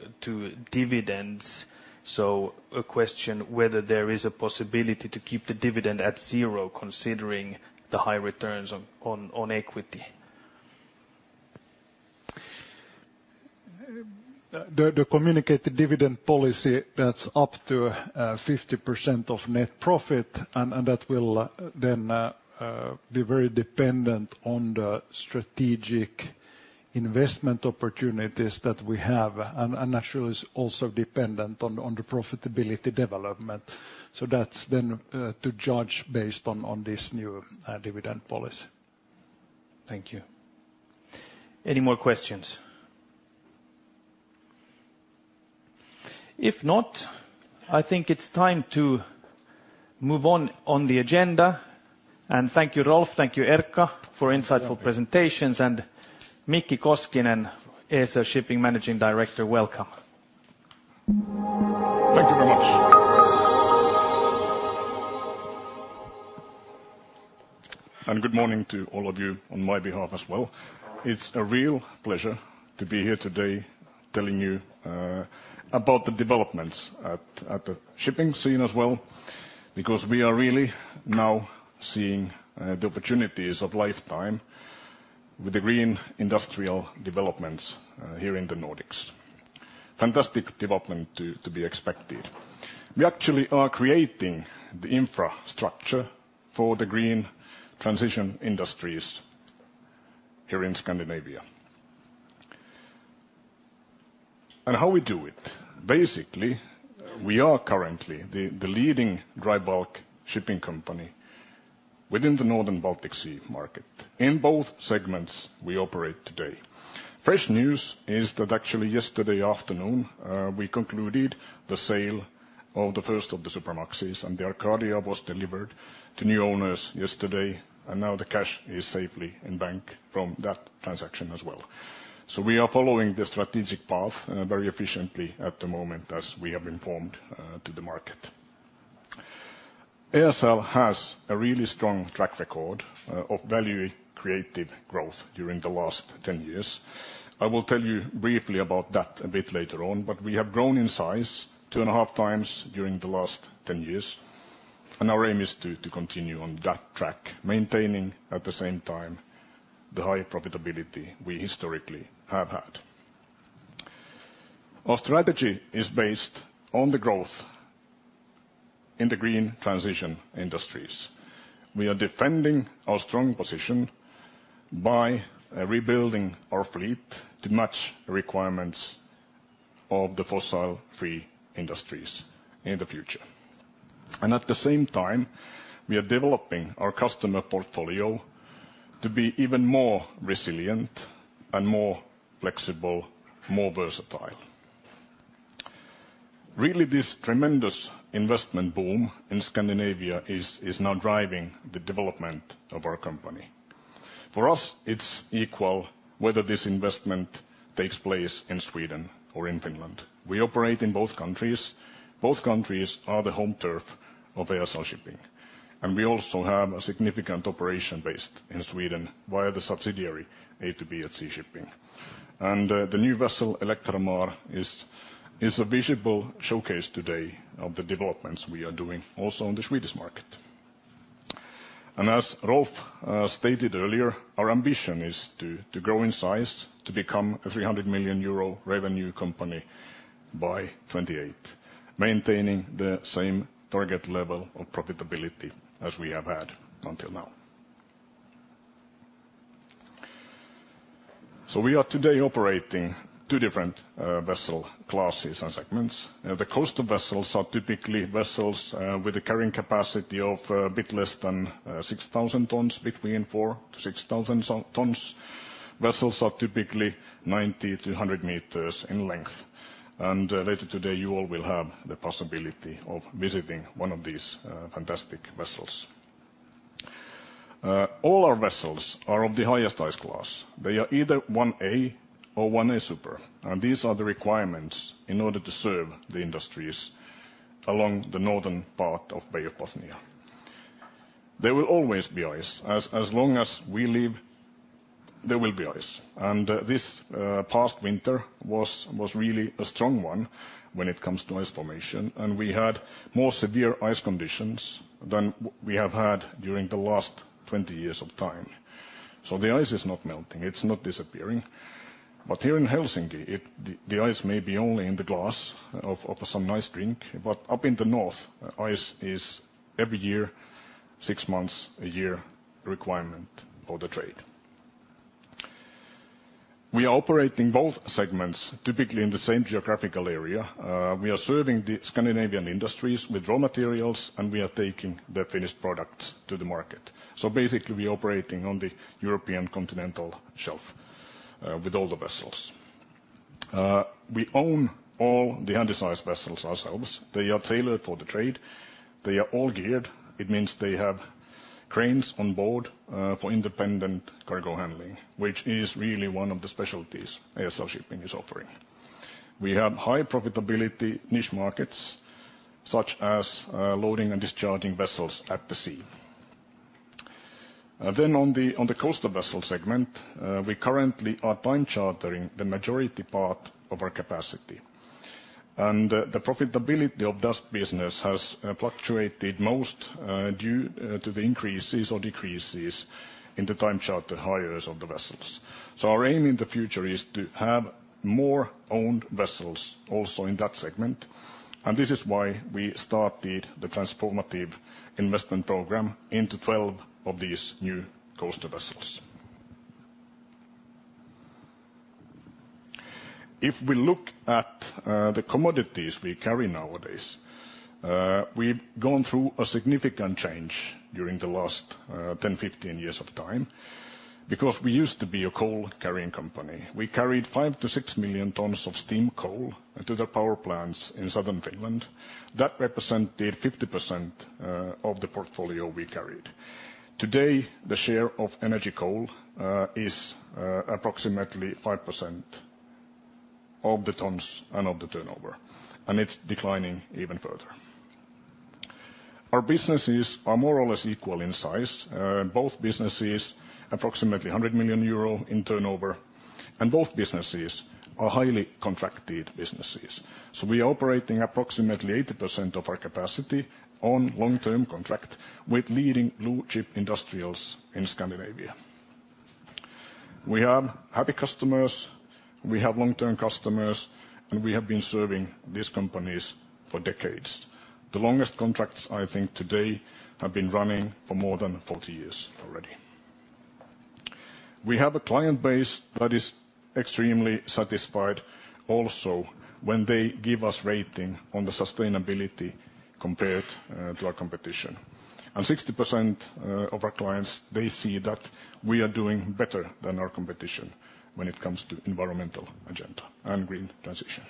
dividends. A question whether there is a possibility to keep the dividend at zero, considering the high returns on equity? The communicated dividend policy, that's up to 50% of net profit, and that will then be very dependent on the strategic investment opportunities that we have, and naturally is also dependent on the profitability development. So that's then to judge based on this new dividend policy. Thank you. Any more questions? If not, I think it's time to move on, on the agenda. And thank you, Rolf, thank you, Erkka, for insightful presentations. And Mikki Koskinen, ESL Shipping Managing Director, welcome. Thank you very much. And good morning to all of you on my behalf as well. It's a real pleasure to be here today, telling you about the developments at the shipping scene as well, because we are really now seeing the opportunities of lifetime with the green industrial developments here in the Nordics. Fantastic development to be expected. We actually are creating the infrastructure for the green transition industries here in Scandinavia. And how we do it? Basically, we are currently the leading dry bulk shipping company within the northern Baltic Sea market, in both segments we operate today. Fresh news is that actually yesterday afternoon we concluded the sale of the first of the Supramaxes, and the Arcadia was delivered to new owners yesterday, and now the cash is safely in bank from that transaction as well. So we are following the strategic path, very efficiently at the moment, as we have informed, to the market. ESL has a really strong track record, of value-creative growth during the last 10 years. I will tell you briefly about that a bit later on, but we have grown in size 2.5 times during the last 10 years, and our aim is to, to continue on that track, maintaining at the same time the high profitability we historically have had. Our strategy is based on the growth in the green transition industries. We are defending our strong position by, rebuilding our fleet to match the requirements of the fossil-free industries in the future. And at the same time, we are developing our customer portfolio to be even more resilient and more flexible, more versatile. Really, this tremendous investment boom in Scandinavia is now driving the development of our company. For us, it's equal whether this investment takes place in Sweden or in Finland. We operate in both countries. Both countries are the home turf of ESL Shipping, and we also have a significant operation based in Sweden via the subsidiary, AtoB@C Shipping. The new vessel, Electra Mar, is a visible showcase today of the developments we are doing also on the Swedish market. As Rolf stated earlier, our ambition is to grow in size, to become a 300 million euro revenue company by 2028, maintaining the same target level of profitability as we have had until now. We are today operating two different vessel classes and segments. The coaster vessels are typically vessels with a carrying capacity of a bit less than 6,000 tons, between 4,000-6,000 tons. Vessels are typically 90-100 meters in length, and later today, you all will have the possibility of visiting one of these fantastic vessels. All our vessels are of the highest ice class. They are either 1A or 1A Super, and these are the requirements in order to serve the industries along the northern part of Bay of Bothnia. There will always be ice. As long as we live, there will be ice, and this past winter was really a strong one when it comes to ice formation, and we had more severe ice conditions than we have had during the last 20 years of time. So the ice is not melting, it's not disappearing. But here in Helsinki, it, the ice may be only in the glass of some nice drink, but up in the north, ice is every year, six months a year requirement of the trade. We are operating both segments, typically in the same geographical area. We are serving the Scandinavian industries with raw materials, and we are taking their finished products to the market. So basically, we're operating on the European continental shelf, with all the vessels. We own all the Handysize vessels ourselves. They are tailored for the trade. They are all geared. It means they have cranes on board, for independent cargo handling, which is really one of the specialties ESL Shipping is offering. We have high profitability niche markets, such as, loading and discharging vessels at the sea. Then on the coaster vessel segment, we currently are time chartering the majority part of our capacity, and the profitability of that business has fluctuated most due to the increases or decreases in the time charter hires of the vessels. So our aim in the future is to have more owned vessels also in that segment, and this is why we started the transformative investment program into 12 of these new coaster vessels. If we look at the commodities we carry nowadays, we've gone through a significant change during the last 10-15 years of time, because we used to be a coal-carrying company. We carried 5 million-6 million tons of steam coal to the power plants in southern Finland. That represented 50% of the portfolio we carried. Today, the share of energy coal is approximately 5% of the tons and of the turnover, and it's declining even further. Our businesses are more or less equal in size, both businesses, approximately 100 million euro in turnover, and both businesses are highly contracted businesses. So we are operating approximately 80% of our capacity on long-term contract with leading blue chip industrials in Scandinavia. We have happy customers, we have long-term customers, and we have been serving these companies for decades. The longest contracts, I think, today, have been running for more than 40 years already. We have a client base that is extremely satisfied also when they give us rating on the sustainability compared to our competition. And 60% of our clients, they see that we are doing better than our competition when it comes to environmental agenda and green transition.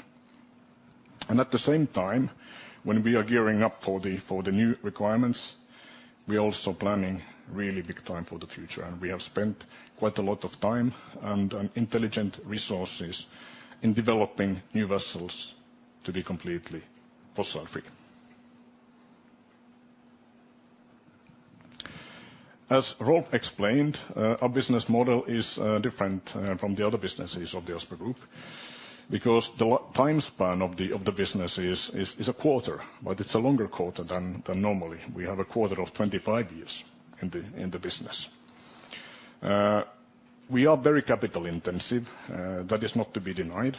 And at the same time, when we are gearing up for the new requirements, we're also planning really big time for the future, and we have spent quite a lot of time and intelligent resources in developing new vessels to be completely fossil-free. As Rolf explained, our business model is different from the other businesses of the Aspo Group, because the timespan of the business is a quarter, but it's a longer quarter than normally. We have a quarter of 25 years in the business. We are very capital intensive, that is not to be denied,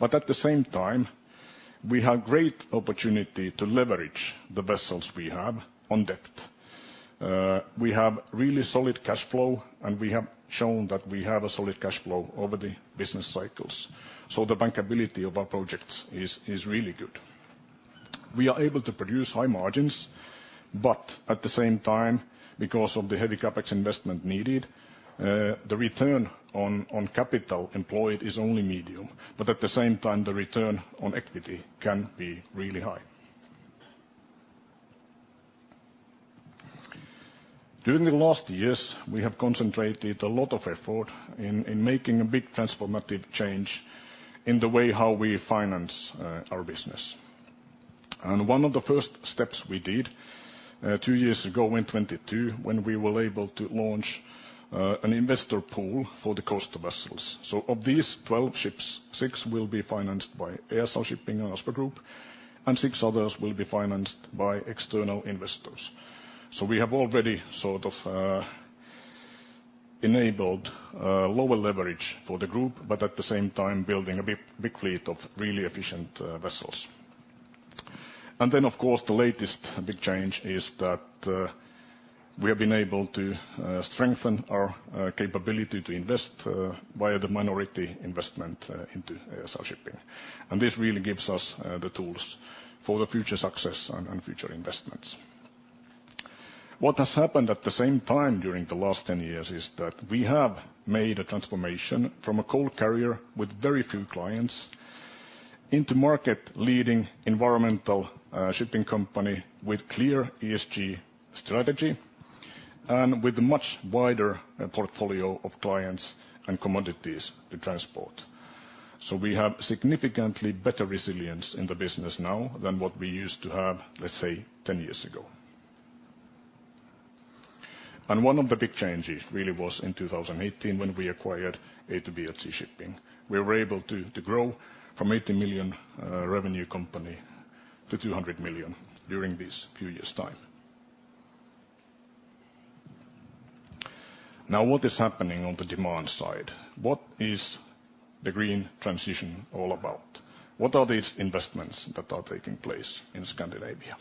but at the same time, we have great opportunity to leverage the vessels we have on debt. We have really solid cash flow, and we have shown that we have a solid cash flow over the business cycles, so the bankability of our projects is, is really good. We are able to produce high margins, but at the same time, because of the heavy CapEx investment needed, the return on, on capital employed is only medium, but at the same time, the return on equity can be really high. During the last years, we have concentrated a lot of effort in, in making a big transformative change in the way how we finance our business. And one of the first steps we did, two years ago in 2022, when we were able to launch an investor pool for the coaster vessels. So of these 12 ships, 6 will be financed by AtoB@C Shipping and Aspo Group, and 6 others will be financed by external investors. So we have already sort of enabled lower leverage for the group, but at the same time, building a big fleet of really efficient vessels. And then, of course, the latest big change is that we have been able to strengthen our capability to invest via the minority investment into ESL Shipping. And this really gives us the tools for the future success and future investments. What has happened at the same time during the last 10 years is that we have made a transformation from a cold carrier with very few clients, into market-leading environmental shipping company with clear ESG strategy, and with a much wider portfolio of clients and commodities to transport. So we have significantly better resilience in the business now than what we used to have, let's say, 10 years ago. And one of the big changes really was in 2018, when we acquired AtoB@C Shipping, we were able to, to grow from 80 million revenue company to 200 million during this few years' time. Now, what is happening on the demand side? What is the green transition all about? What are these investments that are taking place in Scandinavia?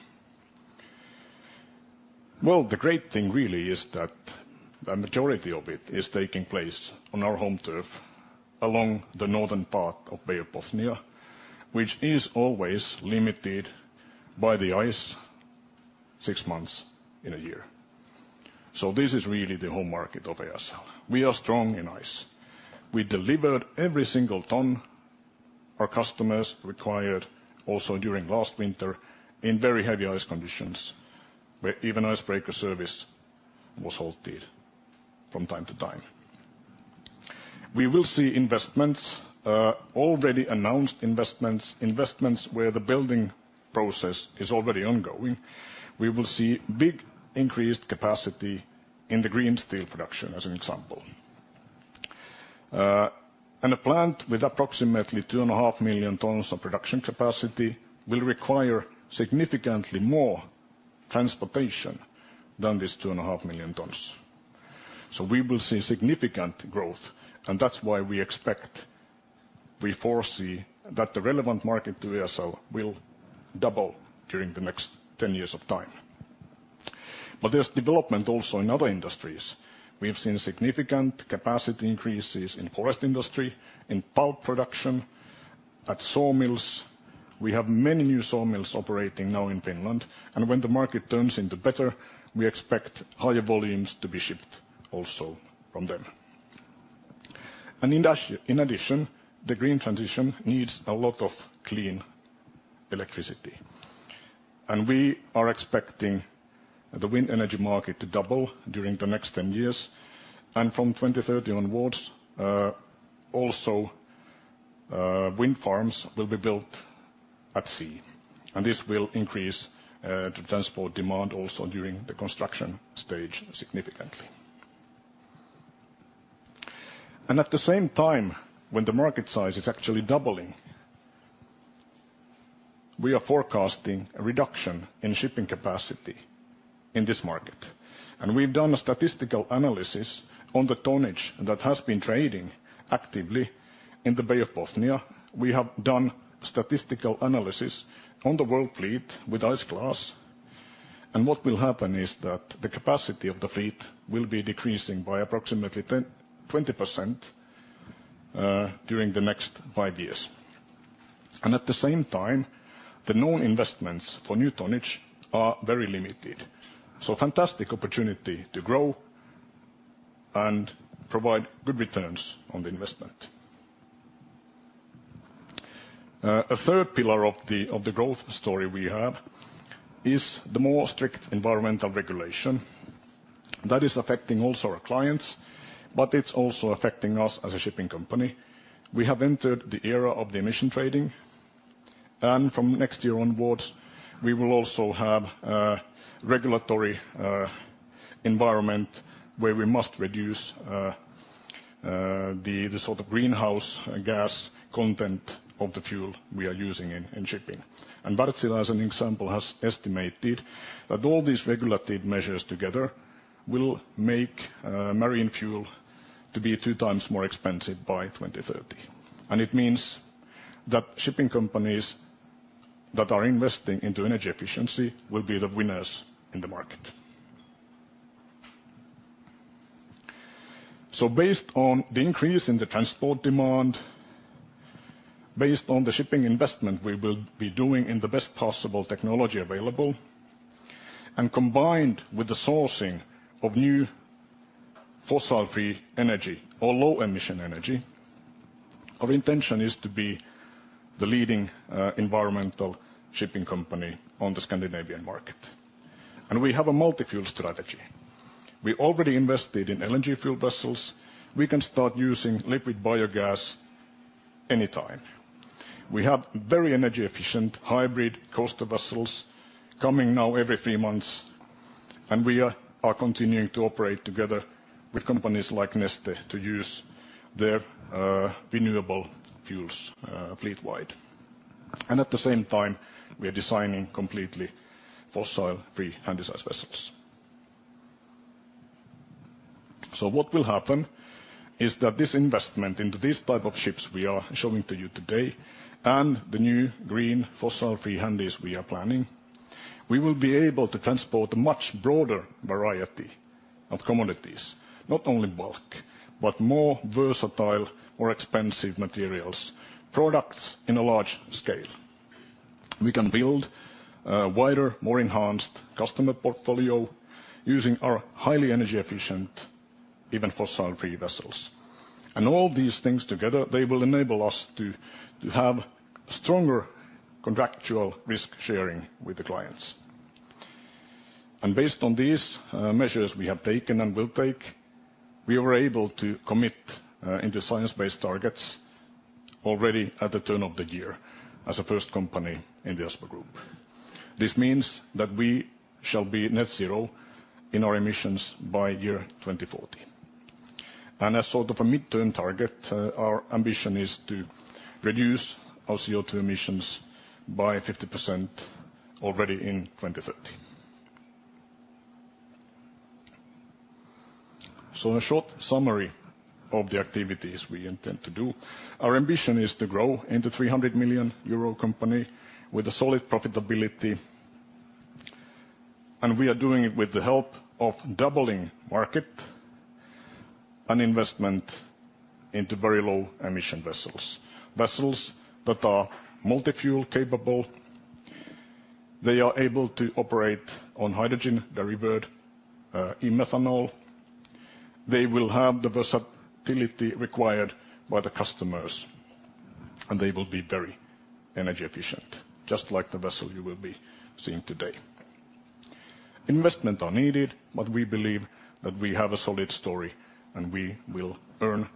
Well, the great thing really is that the majority of it is taking place on our home turf, along the northern part of Bay of Bothnia, which is always limited by the ice six months in a year. So this is really the home market of ESL. We are strong in ice. We delivered every single ton our customers required, also during last winter, in very heavy ice conditions, where even icebreaker service was halted from time to time. We will see investments, already announced investments, investments where the building process is already ongoing. We will see big increased capacity in the green steel production, as an example. And a plant with approximately 2.5 million tons of production capacity, will require significantly more transportation than this 2.5 million tons. So we will see significant growth, and that's why we expect, we foresee, that the relevant market to ESL will double during the next 10 years of time. But there's development also in other industries. We've seen significant capacity increases in forest industry, in pulp production, at sawmills. We have many new sawmills operating now in Finland, and when the market turns into better, we expect higher volumes to be shipped also from them. And in addition, the green transition needs a lot of clean electricity, and we are expecting the wind energy market to double during the next 10 years. And from 2030 onwards, also, wind farms will be built at sea, and this will increase the transport demand also during the construction stage significantly. At the same time, when the market size is actually doubling, we are forecasting a reduction in shipping capacity in this market. We've done a statistical analysis on the tonnage that has been trading actively in the Bay of Bothnia. We have done statistical analysis on the world fleet with ice class. What will happen is that the capacity of the fleet will be decreasing by approximately 10%-20% during the next five years. At the same time, the known investments for new tonnage are very limited. Fantastic opportunity to grow and provide good returns on the investment. A third pillar of the growth story we have is the more strict environmental regulation that is affecting also our clients, but it's also affecting us as a shipping company. We have entered the era of the emissions trading, and from next year onwards, we will also have a regulatory environment, where we must reduce the sort of greenhouse gas content of the fuel we are using in shipping. Wärtsilä, as an example, has estimated that all these regulated measures together will make marine fuel to be two times more expensive by 2030. It means that shipping companies that are investing into energy efficiency will be the winners in the market. Based on the increase in the transport demand, based on the shipping investment we will be doing in the best possible technology available, and combined with the sourcing of new fossil-free energy or low-emission energy, our intention is to be the leading environmental shipping company on the Scandinavian market. We have a multi-fuel strategy. We already invested in LNG fuel vessels. We can start using liquid biogas anytime. We have very energy efficient, hybrid coaster vessels coming now every three months, and we are continuing to operate together with companies like Neste, to use their renewable fuels fleet-wide. And at the same time, we are designing completely fossil-free Handysize vessels.... So what will happen is that this investment into these type of ships we are showing to you today, and the new Green fossil-free Handys we are planning, we will be able to transport a much broader variety of commodities, not only bulk, but more versatile or expensive materials, products in a large scale. We can build a wider, more enhanced customer portfolio using our highly energy efficient, even fossil-free vessels. And all these things together, they will enable us to have stronger contractual risk sharing with the clients. Based on these measures we have taken and will take, we were able to commit into science-based targets already at the turn of the year as a first company in the Aspo Group. This means that we shall be net zero in our emissions by year 2040. As sort of a midterm target, our ambition is to reduce our CO2 emissions by 50% already in 2030. A short summary of the activities we intend to do. Our ambition is to grow into a 300 million euro company with a solid profitability, and we are doing it with the help of doubling market and investment into very low emission vessels. Vessels that are multi-fuel capable, they are able to operate on hydrogen, they revert, in methanol, they will have the versatility required by the customers, and they will be very energy efficient, just like the vessel you will be seeing today. Investment are needed, but we believe that we have a solid story, and we will earn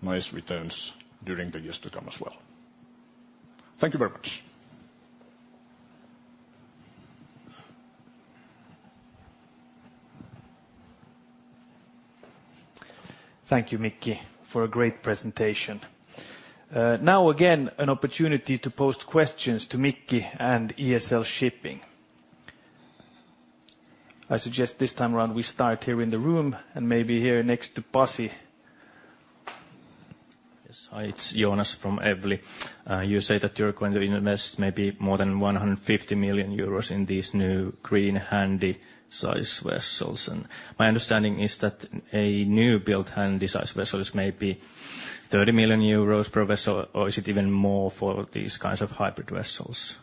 nice returns during the years to come as well. Thank you very much. Thank you, Mikki, for a great presentation. Now again, an opportunity to pose questions to Mikki and ESL Shipping. I suggest this time around, we start here in the room and maybe here next to Pasi. Yes. Hi, it's Jonas from Evli. You say that you're going to invest maybe more than 150 million euros in these new Green Handysize vessels, and my understanding is that a new built Handysize vessel is maybe 30 million euros per vessel, or is it even more for these kinds of hybrid vessels?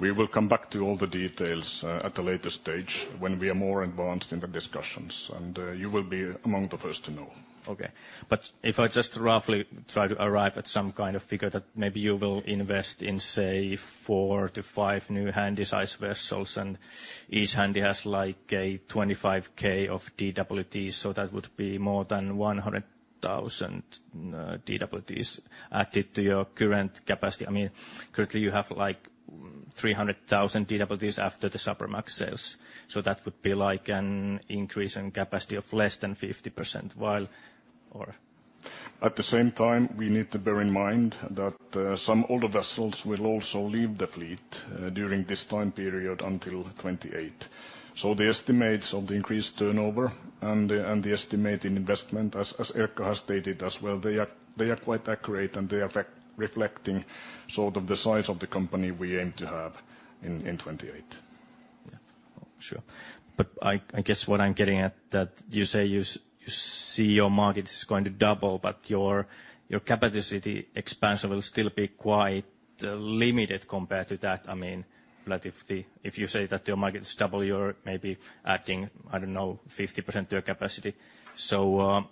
We will come back to all the details at a later stage when we are more advanced in the discussions, and you will be among the first to know. Okay. But if I just roughly try to arrive at some kind of figure that maybe you will invest in, say, 4-5 new Handysize vessels, and each handy has, like, a 25K of DWT, so that would be more than 100,000 DWTs added to your current capacity. I mean, currently you have, like, 300,000 DWTs after the Supramax sales, so that would be like an increase in capacity of less than 50%, while or- At the same time, we need to bear in mind that, some older vessels will also leave the fleet, during this time period until 2028. So the estimates of the increased turnover and the, and the estimated investment, as, as Erkka has stated as well, they are, they are quite accurate, and they are reflecting sort of the size of the company we aim to have in, in 2028. Yeah, sure. But I guess what I'm getting at is that you say you see your market is going to double, but your capacity expansion will still be quite limited compared to that. I mean, but if you say that your market is double, you're maybe adding, I don't know, 50% to your capacity. So,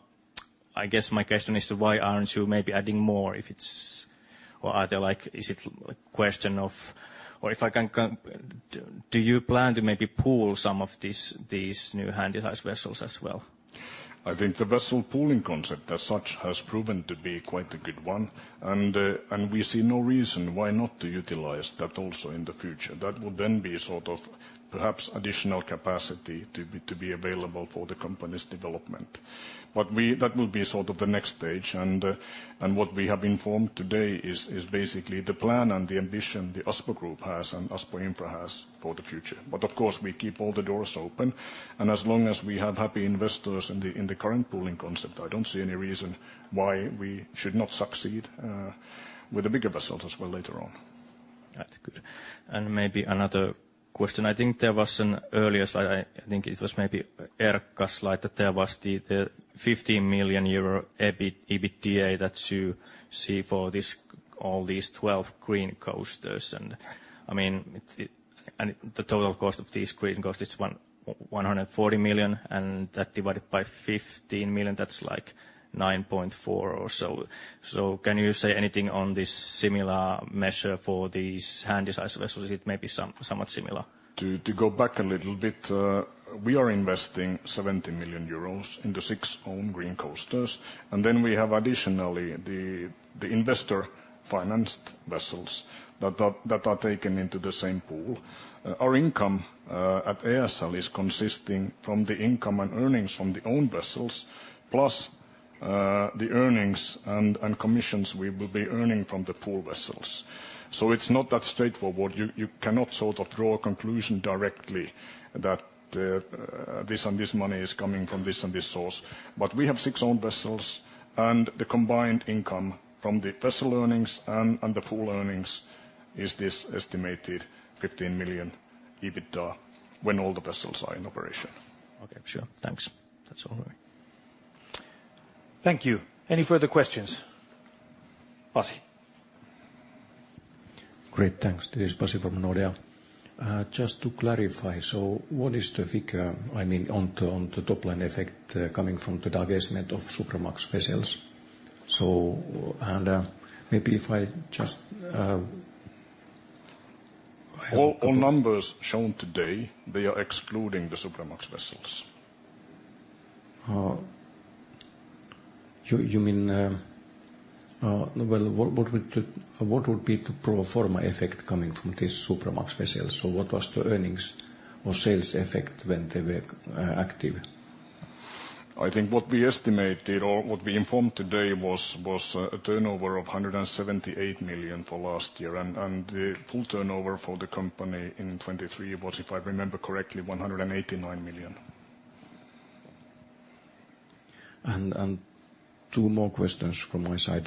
I guess my question is why aren't you maybe adding more if it's... Or are there, like, is it a question of or do you plan to maybe pool some of these new Handysize vessels as well? I think the vessel pooling concept as such has proven to be quite a good one, and we see no reason why not to utilize that also in the future. That would then be sort of perhaps additional capacity to be available for the company's development. But that will be sort of the next stage, and what we have informed today is basically the plan and the ambition the Aspo Group has and Aspo Infra has for the future. But of course, we keep all the doors open, and as long as we have happy investors in the current pooling concept, I don't see any reason why we should not succeed with the bigger vessels as well later on. That's good. And maybe another question. I think there was an earlier slide, I think it was maybe Erkka's slide, that there was the fifteen million euro EBIT-EBITDA that you see for all these twelve Green Coasters. And I mean, it, and the total cost of these Green Coasters is one hundred and forty million, and that divided by fifteen million, that's like nine point four or so. So can you say anything on this similar measure for these Handysize vessels? It may be somewhat similar. To go back a little bit, we are investing 70 million euros in the six own Green Coasters, and then we have additionally the investor-financed vessels that are taken into the same pool. Our income at ESL is consisting from the income and earnings from the own vessels, plus the earnings and commissions we will be earning from the pool vessels. So it's not that straightforward. You cannot sort of draw a conclusion directly that this and this money is coming from this and this source. But we have six owned vessels, and the combined income from the vessel earnings and the pool earnings is this estimated 15 million EBITDA when all the vessels are in operation. Okay, sure. Thanks. That's all. Thank you. Any further questions? Pasi. Great, thanks. This is Pasi from Nordea. Just to clarify, so what is the figure, I mean, on the top-line effect coming from the divestment of Supramax vessels? So, maybe if I just... All, all numbers shown today, they are excluding the Supramax vessels. You mean... Well, what would be the pro forma effect coming from this Supramax vessels? So what was the earnings or sales effect when they were active? I think what we estimated or what we informed today was a turnover of 178 million for last year. And the full turnover for the company in 2023 was, if I remember correctly, 189 million. Two more questions from my side.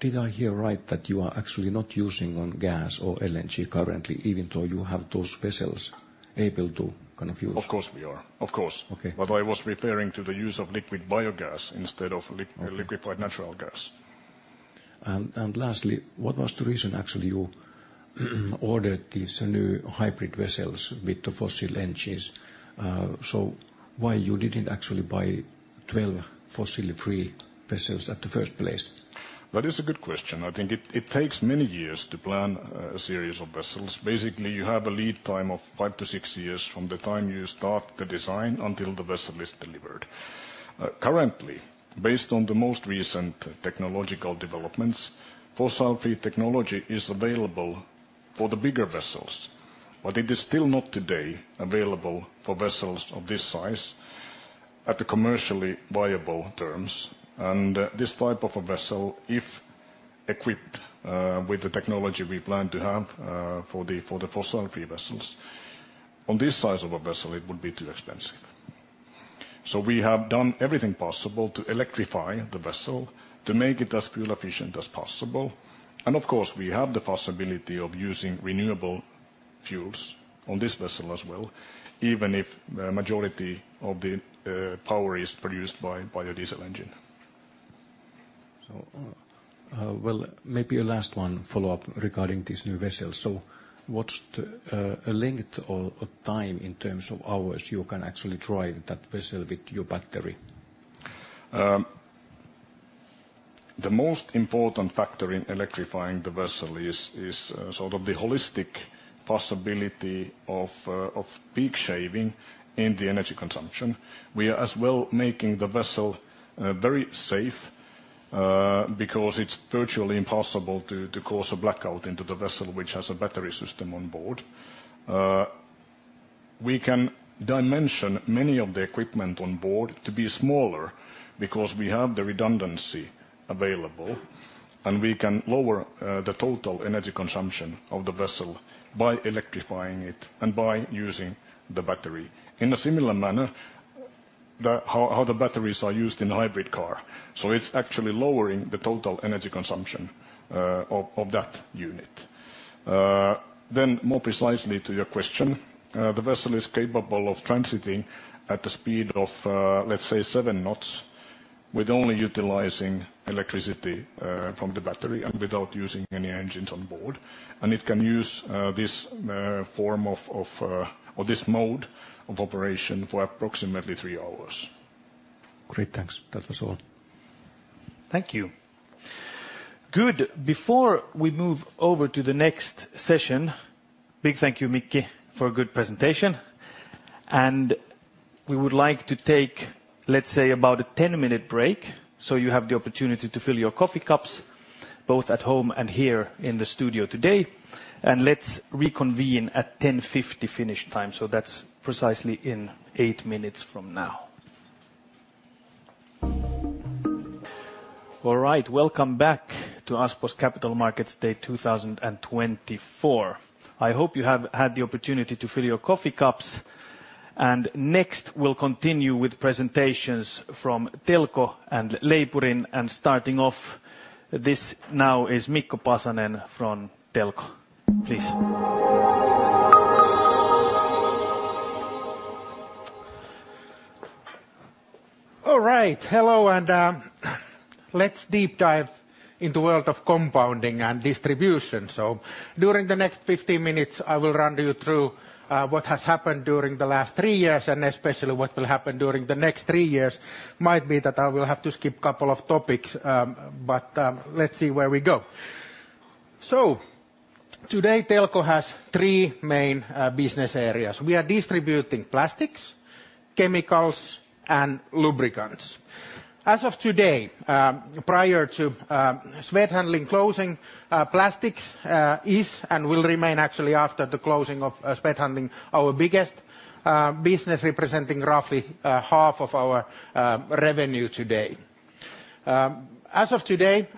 Did I hear right that you are actually not using natural gas or LNG currently, even though you have those vessels able to kind of use? Of course we are. Of course. Okay. But I was referring to the use of liquid biogas instead of li- Okay... liquefied natural gas. Lastly, what was the reason, actually, you ordered these new hybrid vessels with the fossil engines? So why you didn't actually buy 12 fossil-free vessels at the first place? That is a good question. I think it takes many years to plan a series of vessels. Basically, you have a lead time of five to six years from the time you start the design until the vessel is delivered. Currently, based on the most recent technological developments, fossil-free technology is available for the bigger vessels, but it is still not today available for vessels of this size at the commercially viable terms. And this type of a vessel, if equipped, with the technology we plan to have, for the fossil-free vessels, on this size of a vessel it would be too expensive. So we have done everything possible to electrify the vessel, to make it as fuel-efficient as possible, and of course, we have the possibility of using renewable fuels on this vessel as well, even if the majority of the power is produced by biodiesel engine. So, well, maybe a last one follow-up regarding this new vessel. So what's the, a length or a time in terms of hours you can actually drive that vessel with your battery? The most important factor in electrifying the vessel is sort of the holistic possibility of peak shaving in the energy consumption. We are as well making the vessel very safe because it's virtually impossible to cause a blackout into the vessel which has a battery system on board. We can dimension many of the equipment on board to be smaller because we have the redundancy available, and we can lower the total energy consumption of the vessel by electrifying it and by using the battery in a similar manner how the batteries are used in a hybrid car. So it's actually lowering the total energy consumption of that unit. Then more precisely to your question, the vessel is capable of transiting at the speed of, let's say, 7 knots, with only utilizing electricity from the battery and without using any engines on board. And it can use this form or this mode of operation for approximately 3 hours. Great, thanks. That was all. Thank you. Good. Before we move over to the next session, big thank you, Mikki, for a good presentation. We would like to take, let's say, about a 10-minute break, so you have the opportunity to fill your coffee cups, both at home and here in the studio today, and let's reconvene at 10:50 finish time, so that's precisely in 8 minutes from now. All right. Welcome back to Aspo's Capital Markets Day 2024. I hope you have had the opportunity to fill your coffee cups. Next, we'll continue with presentations from Telko and Leipurin. Starting off now is Mikko Pasanen from Telko. Please. All right. Hello, and, let's deep dive in the world of compounding and distribution. So during the next 50 minutes, I will run you through, what has happened during the last three years, and especially what will happen during the next three years. Might be that I will have to skip couple of topics, but, let's see where we go. So today, Telko has three main, business areas. We are distributing plastics, chemicals, and lubricants. As of today, prior to, Swed Handling closing, plastics, is and will remain actually after the closing of, Swed Handling, our biggest, business, representing roughly, half of our, revenue today. As of today,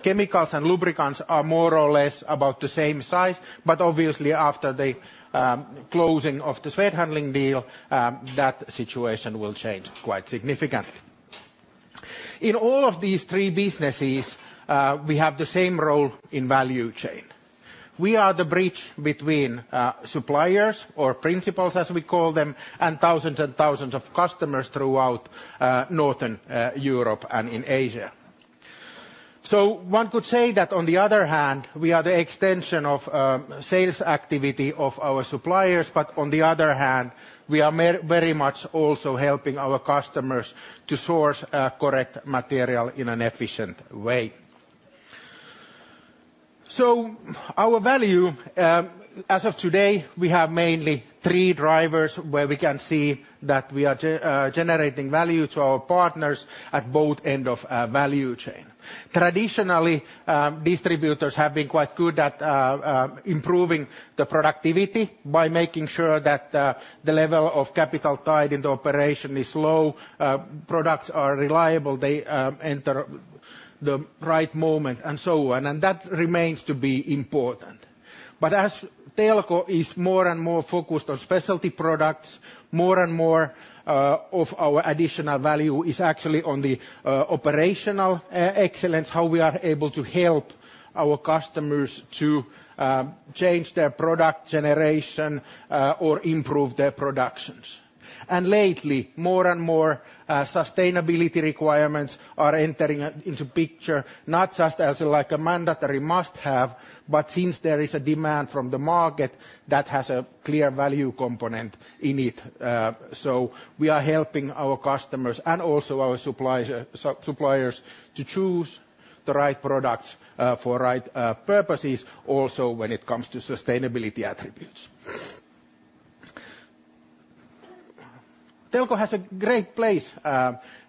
chemicals and lubricants are more or less about the same size, but obviously, after the, closing of the Swed Handling deal, that situation will change quite significantly. In all of these three businesses, we have the same role in value chain. We are the bridge between, suppliers, or principals as we call them, and thousands and thousands of customers throughout, Northern Europe and in Asia. So one could say that, on the other hand, we are the extension of, sales activity of our suppliers, but on the other hand, we are very much also helping our customers to source, correct material in an efficient way. So our value, as of today, we have mainly three drivers where we can see that we are generating value to our partners at both end of, value chain. Traditionally, distributors have been quite good at improving the productivity by making sure that the level of capital tied in the operation is low, products are reliable, they enter the right moment, and so on, and that remains to be important. But as Telko is more and more focused on specialty products, more and more of our additional value is actually on the operational excellence, how we are able to help our customers to change their product generation or improve their productions. And lately, more and more sustainability requirements are entering into picture, not just as, like, a mandatory must-have, but since there is a demand from the market, that has a clear value component in it. So we are helping our customers, and also our suppliers, suppliers, to choose the right products, for right purposes also when it comes to sustainability attributes. Telko has a great place,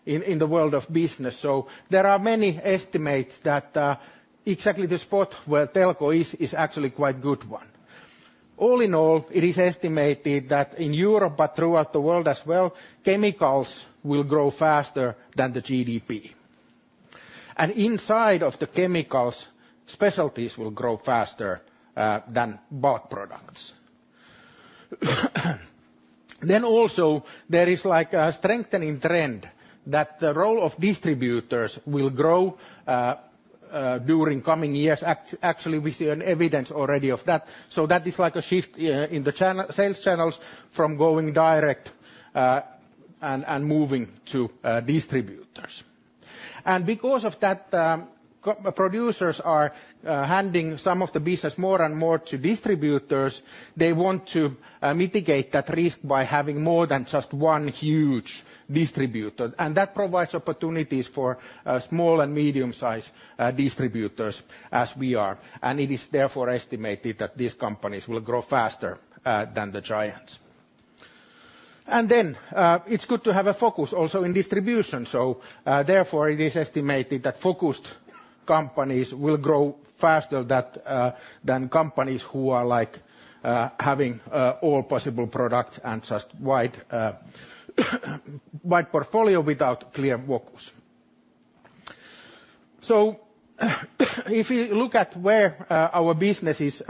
in the world of business, so there are many estimates that, exactly the spot where Telko is, is actually quite good one. All in all, it is estimated that in Europe, but throughout the world as well, chemicals will grow faster than the GDP. And inside of the chemicals, specialties will grow faster than bulk products. Then also, there is, like, a strengthening trend that the role of distributors will grow, during coming years. Actually, we see an evidence already of that, so that is like a shift, in the channel sales channels from going direct, and moving to distributors. And because of that, co-producers are handing some of the business more and more to distributors. They want to mitigate that risk by having more than just one huge distributor, and that provides opportunities for small and medium-sized distributors, as we are. And it is therefore estimated that these companies will grow faster than the giants. And then it's good to have a focus also in distribution, so therefore it is estimated that focused companies will grow faster than companies who are, like, having all possible products and just wide wide portfolio without clear focus. So if you look at where our business is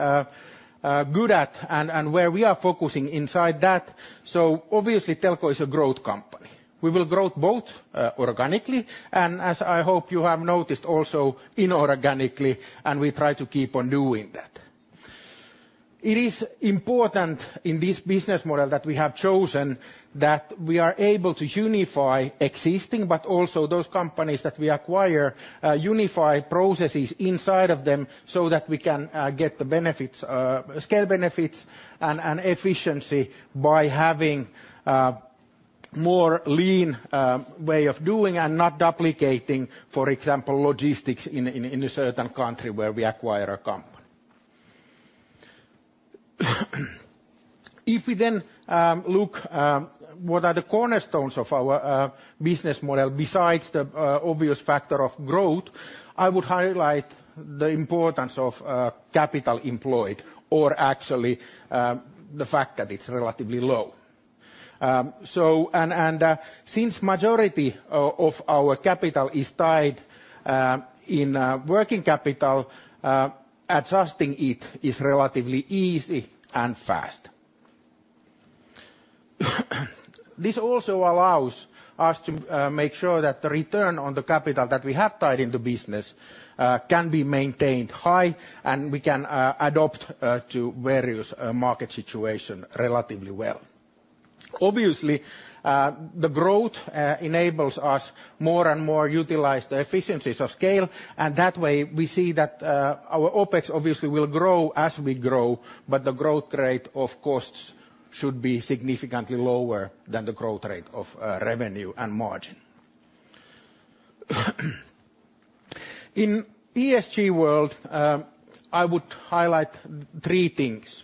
good at and where we are focusing inside that, so obviously Telko is a growth company. We will grow both organically, and as I hope you have noticed also inorganically, and we try to keep on doing that. It is important in this business model that we have chosen, that we are able to unify existing, but also those companies that we acquire, unify processes inside of them so that we can get the benefits, scale benefits and efficiency by having more lean way of doing and not duplicating, for example, logistics in a certain country where we acquire a company. If we then look what are the cornerstones of our business model, besides the obvious factor of growth, I would highlight the importance of capital employed, or actually, the fact that it's relatively low. So, since the majority of our capital is tied in working capital, adjusting it is relatively easy and fast. This also allows us to make sure that the return on the capital that we have tied in the business can be maintained high and we can adapt to various market situations relatively well. Obviously, the growth enables us more and more utilize the efficiencies of scale, and that way we see that our OpEx obviously will grow as we grow, but the growth rate of costs should be significantly lower than the growth rate of revenue and margin. In ESG world, I would highlight three things.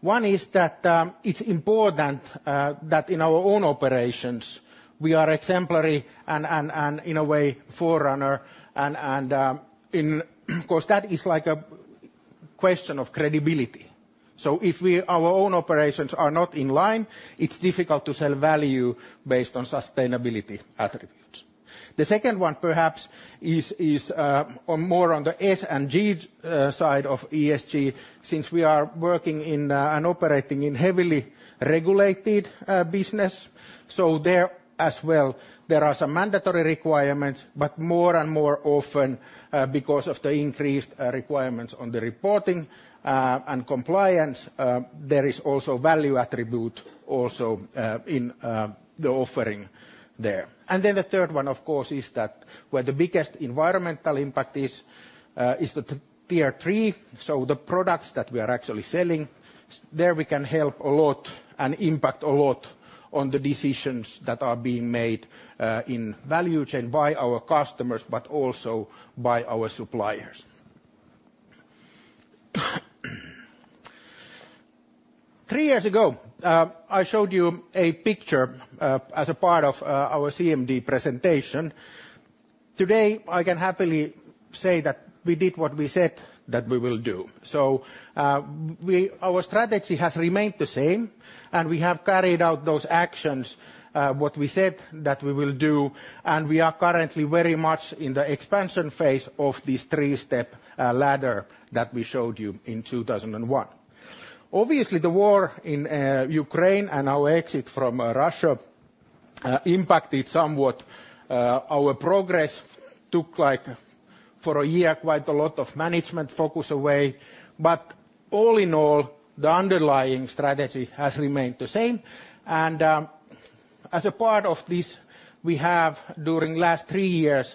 One is that it's important that in our own operations, we are exemplary and in a way forerunner and in 'cause that is like a question of credibility. So if we, our own operations are not in line, it's difficult to sell value based on sustainability attributes. The second one, perhaps, is more on the S and G side of ESG, since we are working in and operating in heavily regulated business. So there as well, there are some mandatory requirements, but more and more often because of the increased requirements on the reporting and compliance, there is also value attribute also in the offering there. And then the third one, of course, is that where the biggest environmental impact is, is the tier three, so the products that we are actually selling. There, we can help a lot and impact a lot on the decisions that are being made in value chain by our customers, but also by our suppliers. Three years ago, I showed you a picture as a part of our CMD presentation. Today, I can happily say that we did what we said that we will do. So, our strategy has remained the same, and we have carried out those actions what we said that we will do, and we are currently very much in the expansion phase of this three-step ladder that we showed you in 2001. Obviously, the war in Ukraine and our exit from Russia impacted somewhat our progress, took like for a year quite a lot of management focus away. But all in all, the underlying strategy has remained the same. And as a part of this, we have during last three years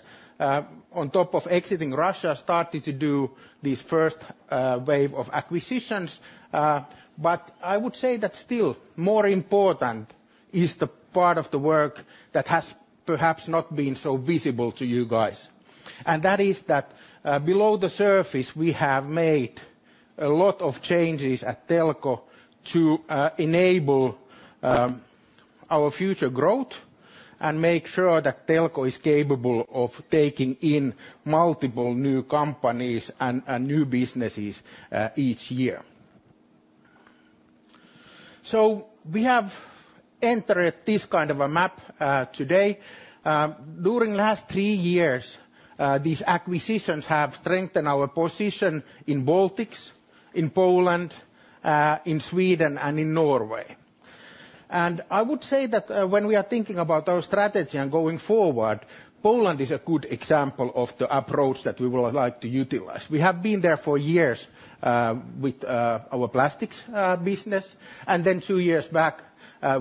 on top of exiting Russia started to do this first wave of acquisitions. But I would say that still more important is the part of the work that has perhaps not been so visible to you guys. And that is that below the surface we have made a lot of changes at Telko to enable our future growth And I would say that, when we are thinking about our strategy and going forward, Poland is a good example of the approach that we would like to utilize. We have been there for years, with our plastics business, and then two years back,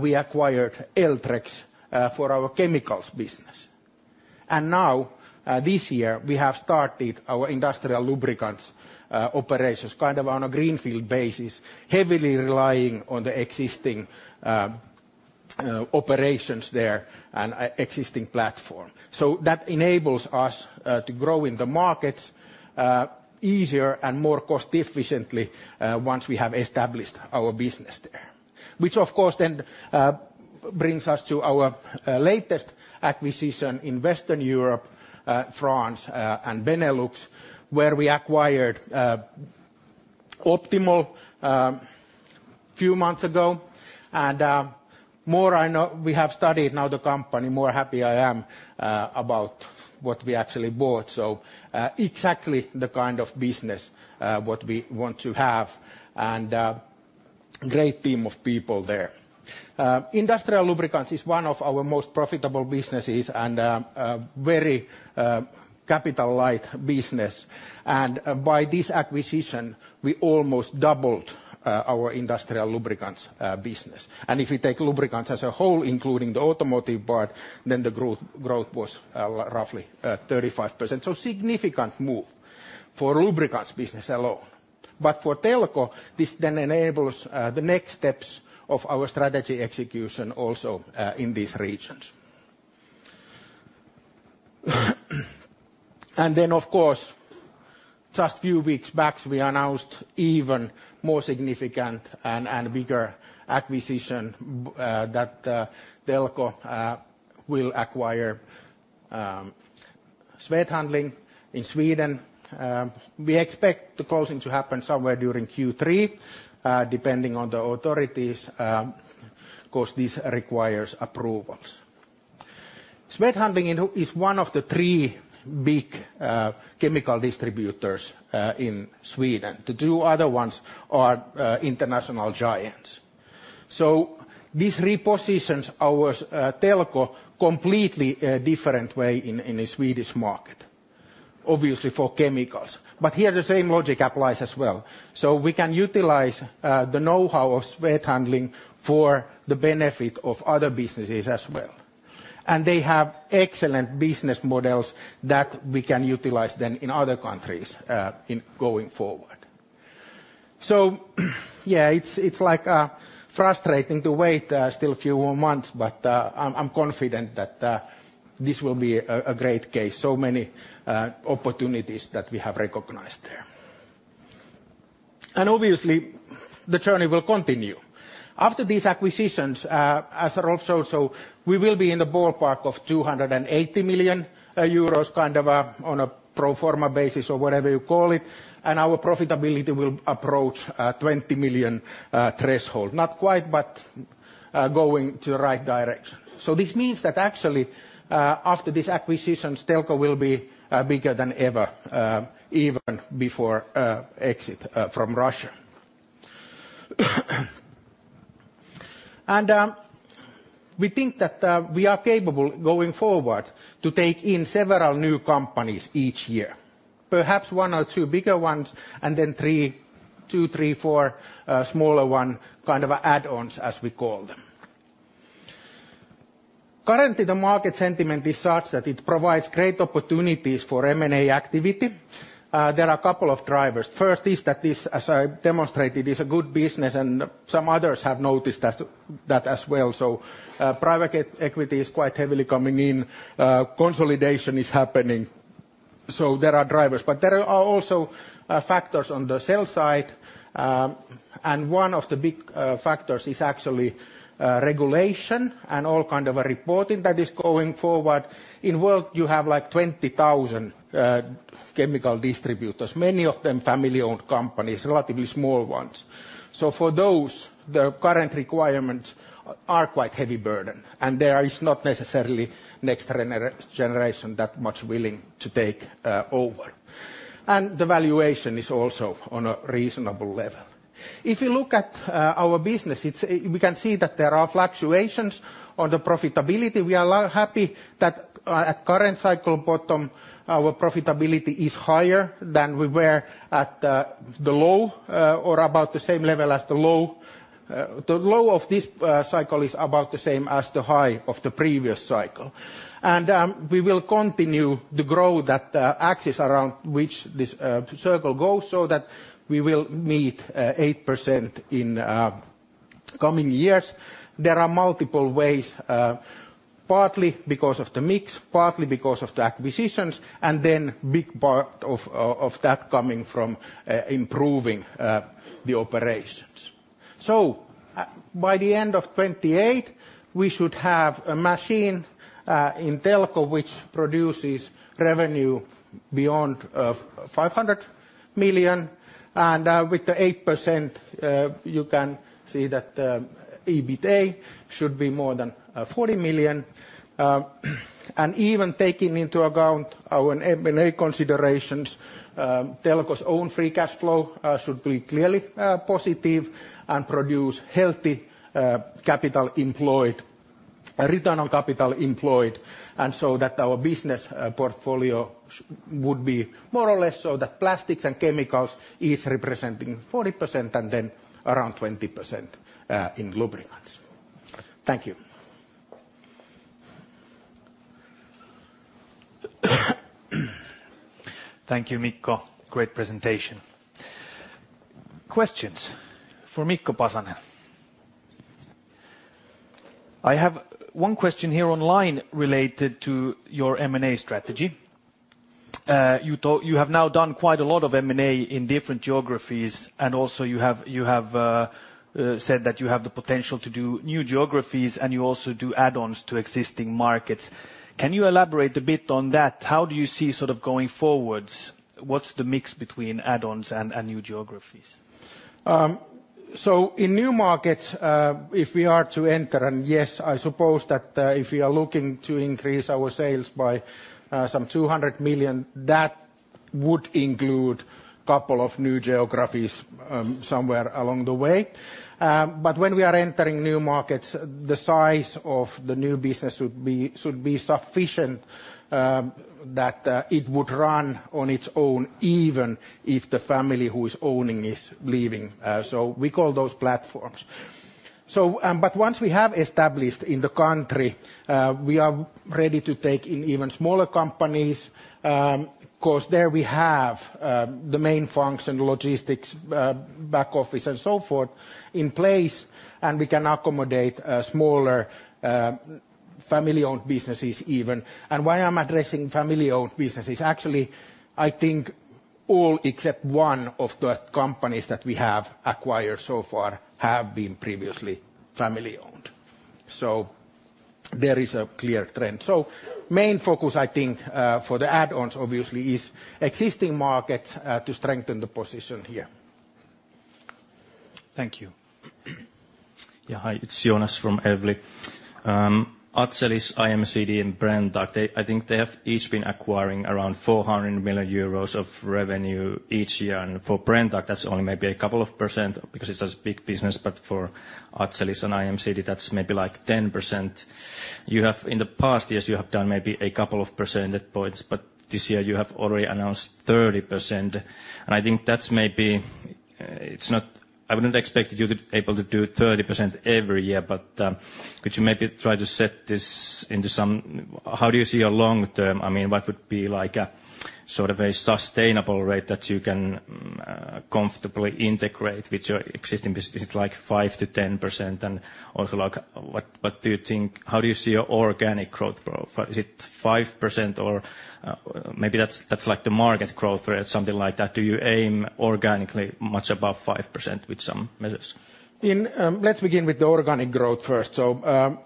we acquired Eltrex for our chemicals business. And now, this year, we have started our industrial lubricants operations, kind of on a greenfield basis, heavily relying on the existing operations there and existing platform. So that enables us to grow in the markets easier and more cost-efficiently, once we have established our business there. Which, of course, then, brings us to our latest acquisition in Western Europe, France, and Benelux, where we acquired Optimal few months ago. And, more I know we have studied now the company, more happy I am about what we actually bought. So, exactly the kind of business what we want to have, and great team of people there. Industrial lubricants is one of our most profitable businesses and a very capital-light business. And by this acquisition, we almost doubled our industrial lubricants business. And if you take lubricants as a whole, including the automotive part, then the growth was roughly 35%. So significant move for lubricants business alone. But for Telko, this then enables the next steps of our strategy execution also in these regions. And then, of course, just few weeks back, we announced even more significant and bigger acquisition that Telko will acquire Swed Handling in Sweden. We expect the closing to happen somewhere during Q3 depending on the authorities 'cause this requires approvals. Swed Handling is one of the three big chemical distributors in Sweden. The two other ones are international giants. So this repositions our Telko completely different way in the Swedish market, obviously for chemicals. But here, the same logic applies as well. So we can utilize the know-how of Swed Handling for the benefit of other businesses as well. And they have excellent business models that we can utilize then in other countries in going forward.... So yeah, it's like frustrating to wait still a few more months, but I'm confident that this will be a great case. So many opportunities that we have recognized there. And obviously, the journey will continue. After these acquisitions, we are also so we will be in the ballpark of 280 million euros, kind of, on a pro forma basis or whatever you call it, and our profitability will approach 20 million threshold. Not quite, but going to the right direction. So this means that actually, after this acquisition, Telko will be bigger than ever, even before exit from Russia. And we think that we are capable, going forward, to take in several new companies each year. Perhaps one or two bigger ones, and then three two, three, four smaller one, kind of add-ons, as we call them. Currently, the market sentiment is such that it provides great opportunities for M&A activity. There are a couple of drivers. First is that this, as I demonstrated, is a good business, and some others have noticed that, that as well. So, private equity is quite heavily coming in. Consolidation is happening. So there are drivers, but there are also factors on the sales side. And one of the big factors is actually regulation and all kind of a reporting that is going forward. In the world, you have, like, 20,000 chemical distributors, many of them family-owned companies, relatively small ones. So for those, the current requirements are quite heavy burden, and there is not necessarily next generation that much willing to take over. And the valuation is also on a reasonable level. If you look at our business, it's... We can see that there are fluctuations on the profitability. We are a lot happy that, at current cycle bottom, our profitability is higher than we were at, the low, or about the same level as the low. The low of this, cycle is about the same as the high of the previous cycle. And, we will continue to grow that, axis around which this, circle goes so that we will meet, 8% in, coming years. There are multiple ways, partly because of the mix, partly because of the acquisitions, and then big part of, of that coming from, improving, the operations. So, by the end of 2028, we should have a machine, in Telko, which produces revenue beyond, 500 million. And, with the 8%, you can see that, EBITDA should be more than, 40 million. Even taking into account our M&A considerations, Telko's own free cash flow should be clearly positive and produce healthy capital employed, original capital employed, and so that our business portfolio would be more or less so that plastics and chemicals is representing 40% and then around 20% in lubricants. Thank you. Thank you, Mikko. Great presentation. Questions for Mikko Pasanen? I have one question here online related to your M&A strategy. You have now done quite a lot of M&A in different geographies, and also you have said that you have the potential to do new geographies, and you also do add-ons to existing markets. Can you elaborate a bit on that? How do you see sort of going forwards? What's the mix between add-ons and new geographies? So in new markets, if we are to enter, and yes, I suppose that, if we are looking to increase our sales by some 200 million, that would include couple of new geographies, somewhere along the way. But when we are entering new markets, the size of the new business would be, should be sufficient, that it would run on its own, even if the family who is owning is leaving. So we call those platforms. So, but once we have established in the country, we are ready to take in even smaller companies, 'cause there we have the main function, logistics, back office, and so forth, in place, and we can accommodate a smaller, family-owned businesses even. And why I'm addressing family-owned businesses, actually, I think all except one of the companies that we have acquired so far have been previously family-owned. There is a clear trend. Main focus, I think, for the add-ons, obviously, is existing markets, to strengthen the position here. Thank you. Yeah, hi, it's Jonas from Evli. Azelis, IMCD, and Brenntag, they... I think they have each been acquiring around 400 million euros of revenue each year. And for Brenntag, that's only maybe a couple of percent because it's a big business, but for Azelis and IMCD, that's maybe, like, 10%. You have, in the past years, you have done maybe a couple of percent at points, but this year you have already announced 30%, and I think that's maybe... It's not... I wouldn't expect you to able to do 30% every year, but, could you maybe try to set this into some-- How do you see your long term? I mean, what would be like a sort of a sustainable rate that you can, comfortably integrate with your existing business? Is it like 5%-10%? Also, like, what do you think? How do you see your organic growth profile? Is it 5% or, maybe that's, that's like the market growth rate, something like that. Do you aim organically much above 5% with some measures? Let's begin with the organic growth first. So,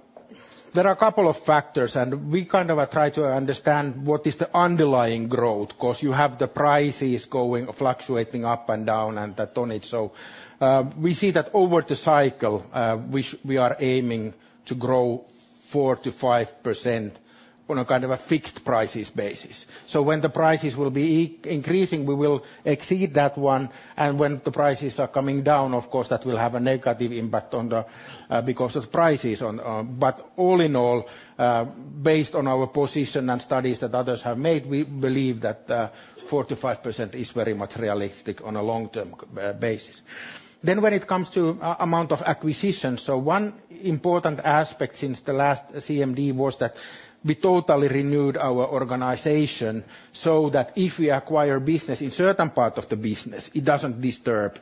there are a couple of factors, and we kind of try to understand what is the underlying growth, 'cause you have the prices going, fluctuating up and down, and that on it. So, we see that over the cycle, we are aiming to grow 4%-5% on a kind of a fixed prices basis. So when the prices will be increasing, we will exceed that one, and when the prices are coming down, of course, that will have a negative impact on the, because of prices on... But all in all, based on our position and studies that others have made, we believe that, 4%-5% is very much realistic on a long-term basis. Then when it comes to amount of acquisitions, so one important aspect since the last CMD was that we totally renewed our organization, so that if we acquire business in certain part of the business, it doesn't disturb,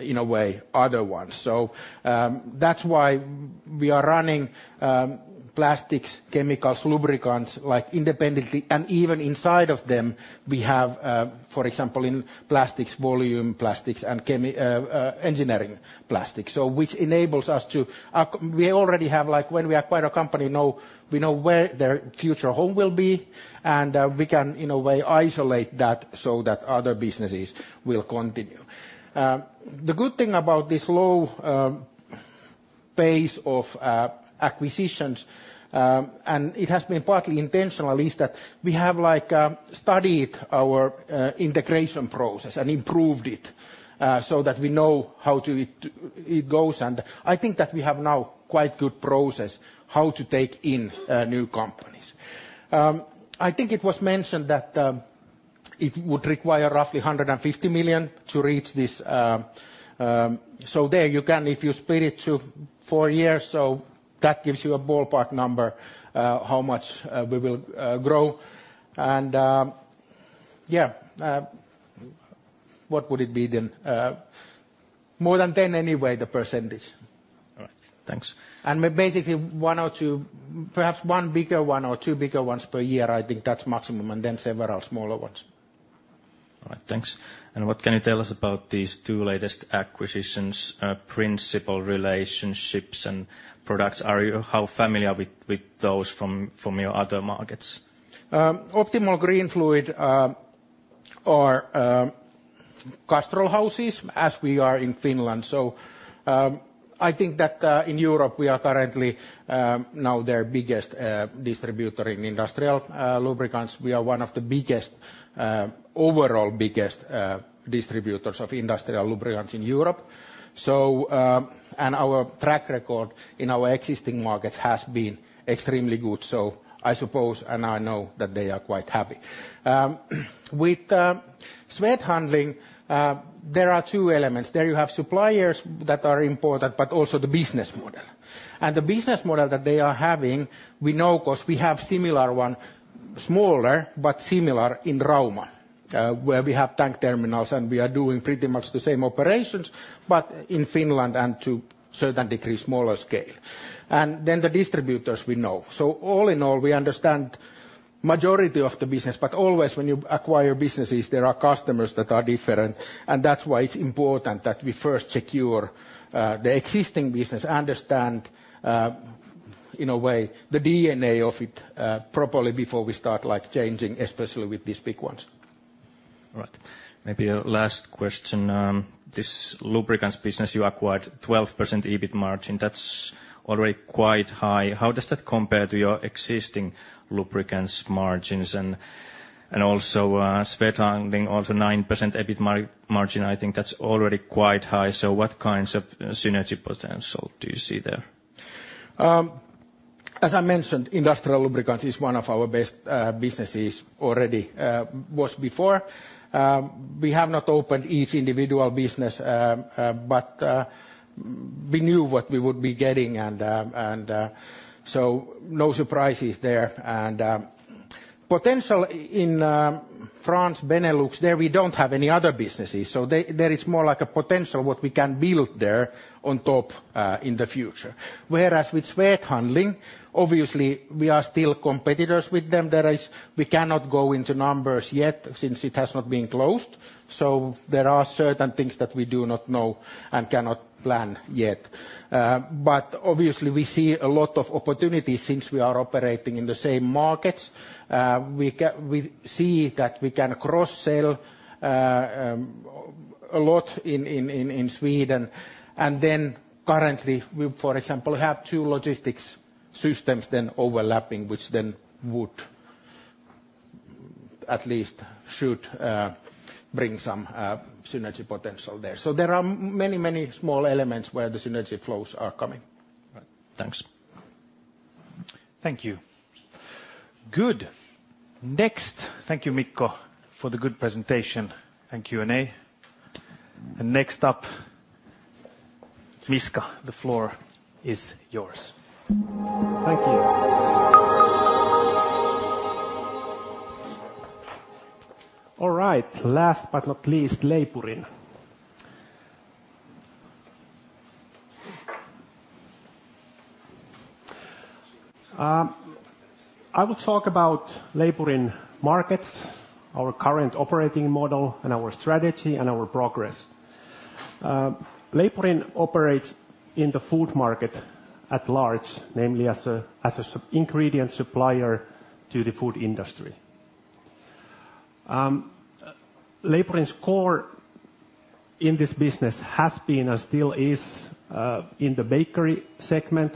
in a way, other ones. So, that's why we are running plastics, chemicals, lubricants, like independently, and even inside of them, we have, for example, in plastics, volume plastics and engineering plastics. So which enables us to acquire. We already have, like, when we acquire a company, now we know where their future home will be, and, we can, in a way, isolate that so that other businesses will continue. The good thing about this low pace of acquisitions, and it has been partly intentional, is that we have, like, studied our integration process and improved it, so that we know how it goes. And I think that we have now quite good process how to take in new companies. I think it was mentioned that it would require roughly 150 million to reach this. So there you can, if you split it to four years, so that gives you a ballpark number, how much we will grow. And yeah, what would it be then? More than 10% anyway, the percentage. All right, thanks. Basically, one or two, perhaps one bigger one or two bigger ones per year, I think that's maximum, and then several smaller ones. All right, thanks. And what can you tell us about these two latest acquisitions, principal relationships, and products? How familiar are you with those from your other markets? Optimal, Greenfluid are Castrol houses, as we are in Finland. So, I think that in Europe, we are currently now their biggest distributor in industrial lubricants. We are one of the biggest, overall biggest, distributors of industrial lubricants in Europe. So, and our track record in our existing markets has been extremely good. So I suppose, and I know that they are quite happy. With Swed Handling, there are two elements. There you have suppliers that are important, but also the business model. And the business model that they are having, we know 'cause we have similar one, smaller, but similar in Rauma, where we have tank terminals, and we are doing pretty much the same operations, but in Finland and to certain degree, smaller scale. And then the distributors we know. So all in all, we understand majority of the business, but always when you acquire businesses, there are customers that are different, and that's why it's important that we first secure the existing business, understand in a way the DNA of it properly before we start, like, changing, especially with these big ones. All right. Maybe a last question. This lubricants business, you acquired 12% EBIT margin. That's already quite high. How does that compare to your existing lubricants margins? And, and also, Swed Handling, also 9% EBIT margin, I think that's already quite high. So what kinds of synergy potential do you see there? As I mentioned, industrial lubricants is one of our best businesses already, was before. We have not opened each individual business, but we knew what we would be getting, and so no surprises there. And potential in France, Benelux, there we don't have any other businesses, so there is more like a potential what we can build there on top in the future. Whereas with Swed Handling, obviously, we are still competitors with them. There is. We cannot go into numbers yet since it has not been closed, so there are certain things that we do not know and cannot plan yet. But obviously, we see a lot of opportunities since we are operating in the same markets. We see that we can cross-sell a lot in Sweden. And then currently, we, for example, have two logistics systems then overlapping, which then would, at least should, bring some synergy potential there. So there are many, many small elements where the synergy flows are coming. Right. Thanks. ...Thank you. Good! Next, thank you, Mikko, for the good presentation and Q&A. Next up, Miska, the floor is yours. Thank you. All right, last but not least, Leipurin. I will talk about Leipurin markets, our current operating model, and our strategy and our progress. Leipurin operates in the food market at large, namely as a supplier to the food industry. Leipurin's core in this business has been, and still is, in the bakery segment,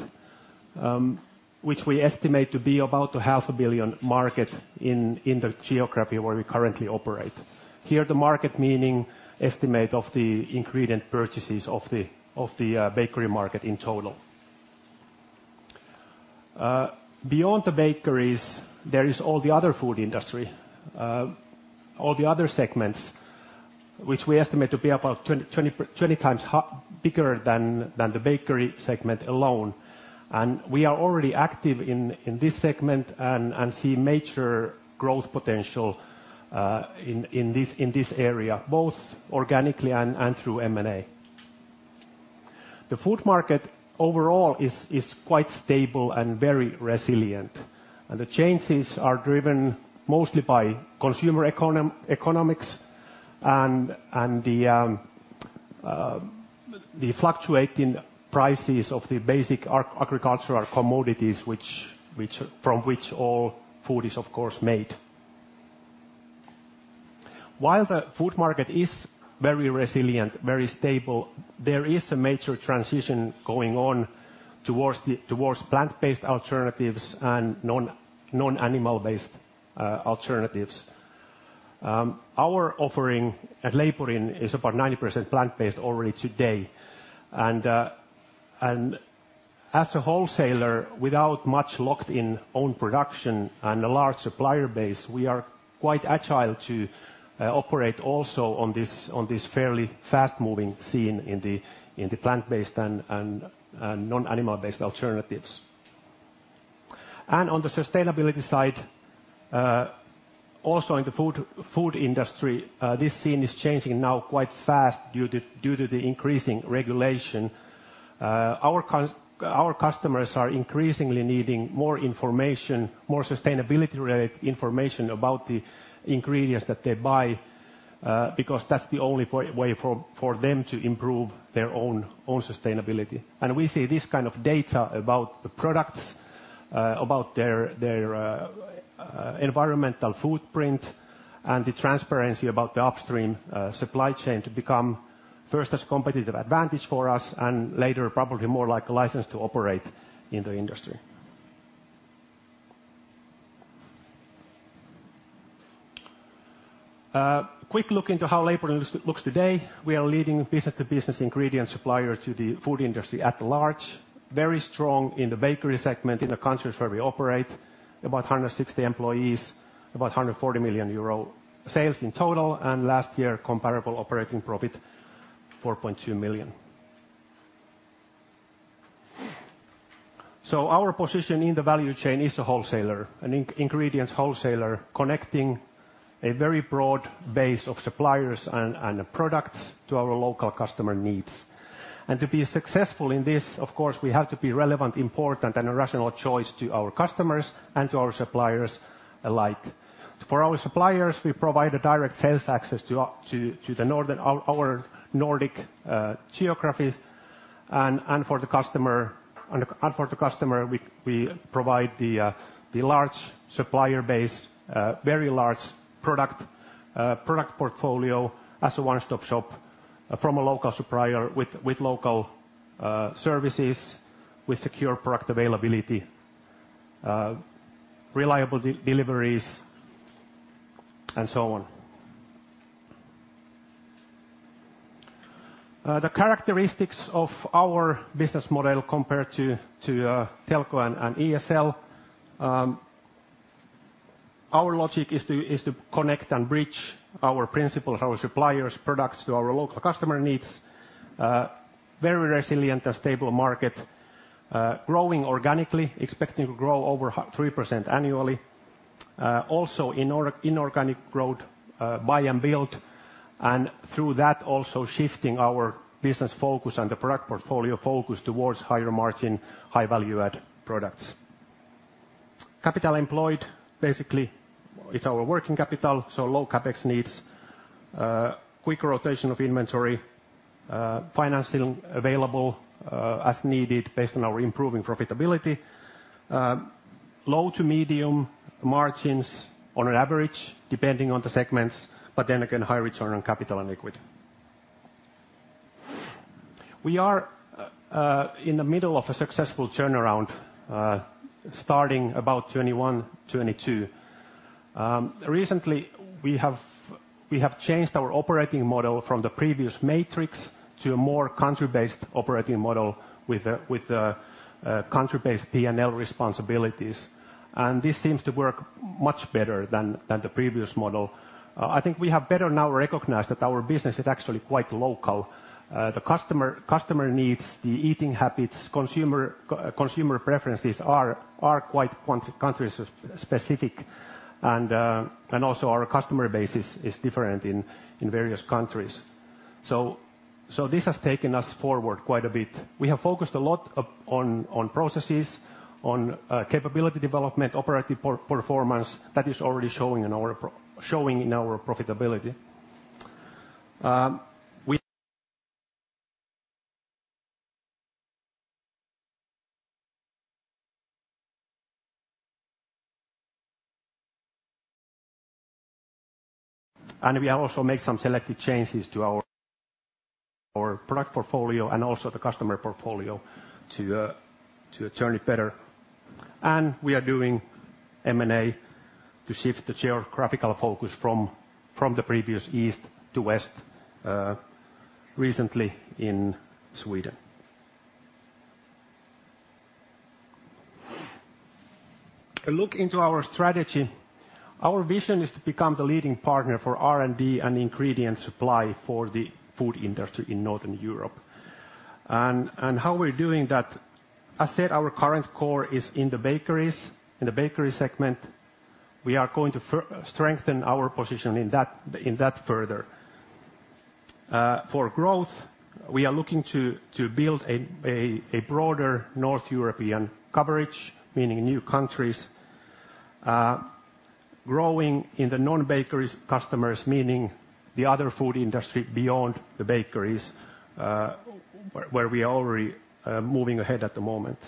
which we estimate to be about 0.5 billion market in the geography where we currently operate. Here, the market meaning estimate of the ingredient purchases of the bakery market in total. Beyond the bakeries, there is all the other food industry, all the other segments, which we estimate to be about 20 times bigger than the bakery segment alone. We are already active in this segment and see major growth potential in this area, both organically and through M&A. The food market overall is quite stable and very resilient, and the changes are driven mostly by consumer economics and the fluctuating prices of the basic agricultural commodities, from which all food is, of course, made. While the food market is very resilient, very stable, there is a major transition going on towards plant-based alternatives and non-animal-based alternatives. Our offering at Leipurin is about 90% plant-based already today. And as a wholesaler, without much locked in own production and a large supplier base, we are quite agile to operate also on this fairly fast-moving scene in the plant-based and non-animal-based alternatives. And on the sustainability side, also in the food industry, this scene is changing now quite fast due to the increasing regulation. Our customers are increasingly needing more information, more sustainability-related information about the ingredients that they buy, because that's the only way for them to improve their own sustainability. We see this kind of data about the products, about their environmental footprint and the transparency about the upstream supply chain to become first as competitive advantage for us, and later, probably more like a license to operate in the industry. Quick look into how Leipurin looks today. We are a leading business-to-business ingredient supplier to the food industry at large. Very strong in the bakery segment in the countries where we operate, about 160 employees, about 140 million euro sales in total, and last year, comparable operating profit, 4.2 million. So our position in the value chain is a wholesaler, an in-ingredients wholesaler, connecting a very broad base of suppliers and products to our local customer needs. To be successful in this, of course, we have to be relevant, important, and a rational choice to our customers and to our suppliers alike. For our suppliers, we provide a direct sales access to the Northern, our Nordic geography. For the customer, we provide the large supplier base, very large product portfolio as a one-stop shop from a local supplier with local services, with secure product availability, reliable deliveries, and so on. The characteristics of our business model compared to Telko and ESL, our logic is to connect and bridge our principals, our suppliers, products to our local customer needs. Very resilient and stable market, growing organically, expecting to grow over 3% annually. Also inorganic growth, buy and build, and through that, also shifting our business focus and the product portfolio focus towards higher margin, high-value-add products. Capital employed, basically, it's our working capital, so low CapEx needs, quick rotation of inventory, financing available, as needed based on our improving profitability. Low to medium margins on an average, depending on the segments, but then again, high return on capital and liquid. We are in the middle of a successful turnaround, starting about 2021, 2022. Recently, we have changed our operating model from the previous matrix to a more country-based operating model with country-based P&L responsibilities, and this seems to work much better than the previous model. I think we have better now recognized that our business is actually quite local. The customer needs, the eating habits, consumer preferences are quite country-specific, and also our customer base is different in various countries. So this has taken us forward quite a bit. We have focused a lot upon processes, on capability development, operative performance that is already showing in our profitability. And we have also made some selective changes to our product portfolio and also the customer portfolio to turn it better. And we are doing M&A to shift the geographical focus from the previous east to west, recently in Sweden. A look into our strategy. Our vision is to become the leading partner for R&D and ingredient supply for the food industry in Northern Europe, and how we're doing that, I said our current core is in the bakeries, in the bakery segment. We are going to strengthen our position in that, in that further. For growth, we are looking to build a broader North European coverage, meaning new countries, growing in the non-bakeries customers, meaning the other food industry beyond the bakeries, where we are already moving ahead at the moment.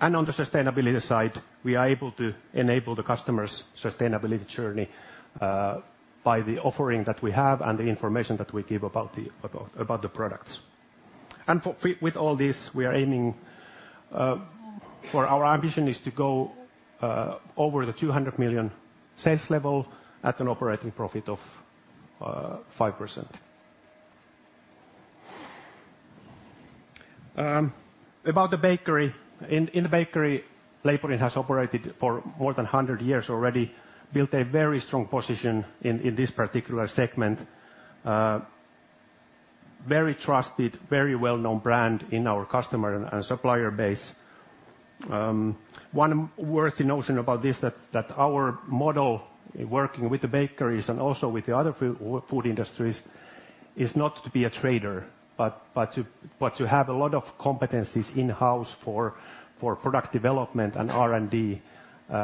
And on the sustainability side, we are able to enable the customers' sustainability journey, by the offering that we have and the information that we give about the products. With all this, we are aiming for our ambition is to go over the 200 million sales level at an operating profit of 5%. About the bakery. In the bakery, Leipurin has operated for more than 100 years already, built a very strong position in this particular segment. Very trusted, very well-known brand in our customer and supplier base. One worthy notion about this, that our model, working with the bakeries and also with the other food industries, is not to be a trader, but to have a lot of competencies in-house for product development and R&D.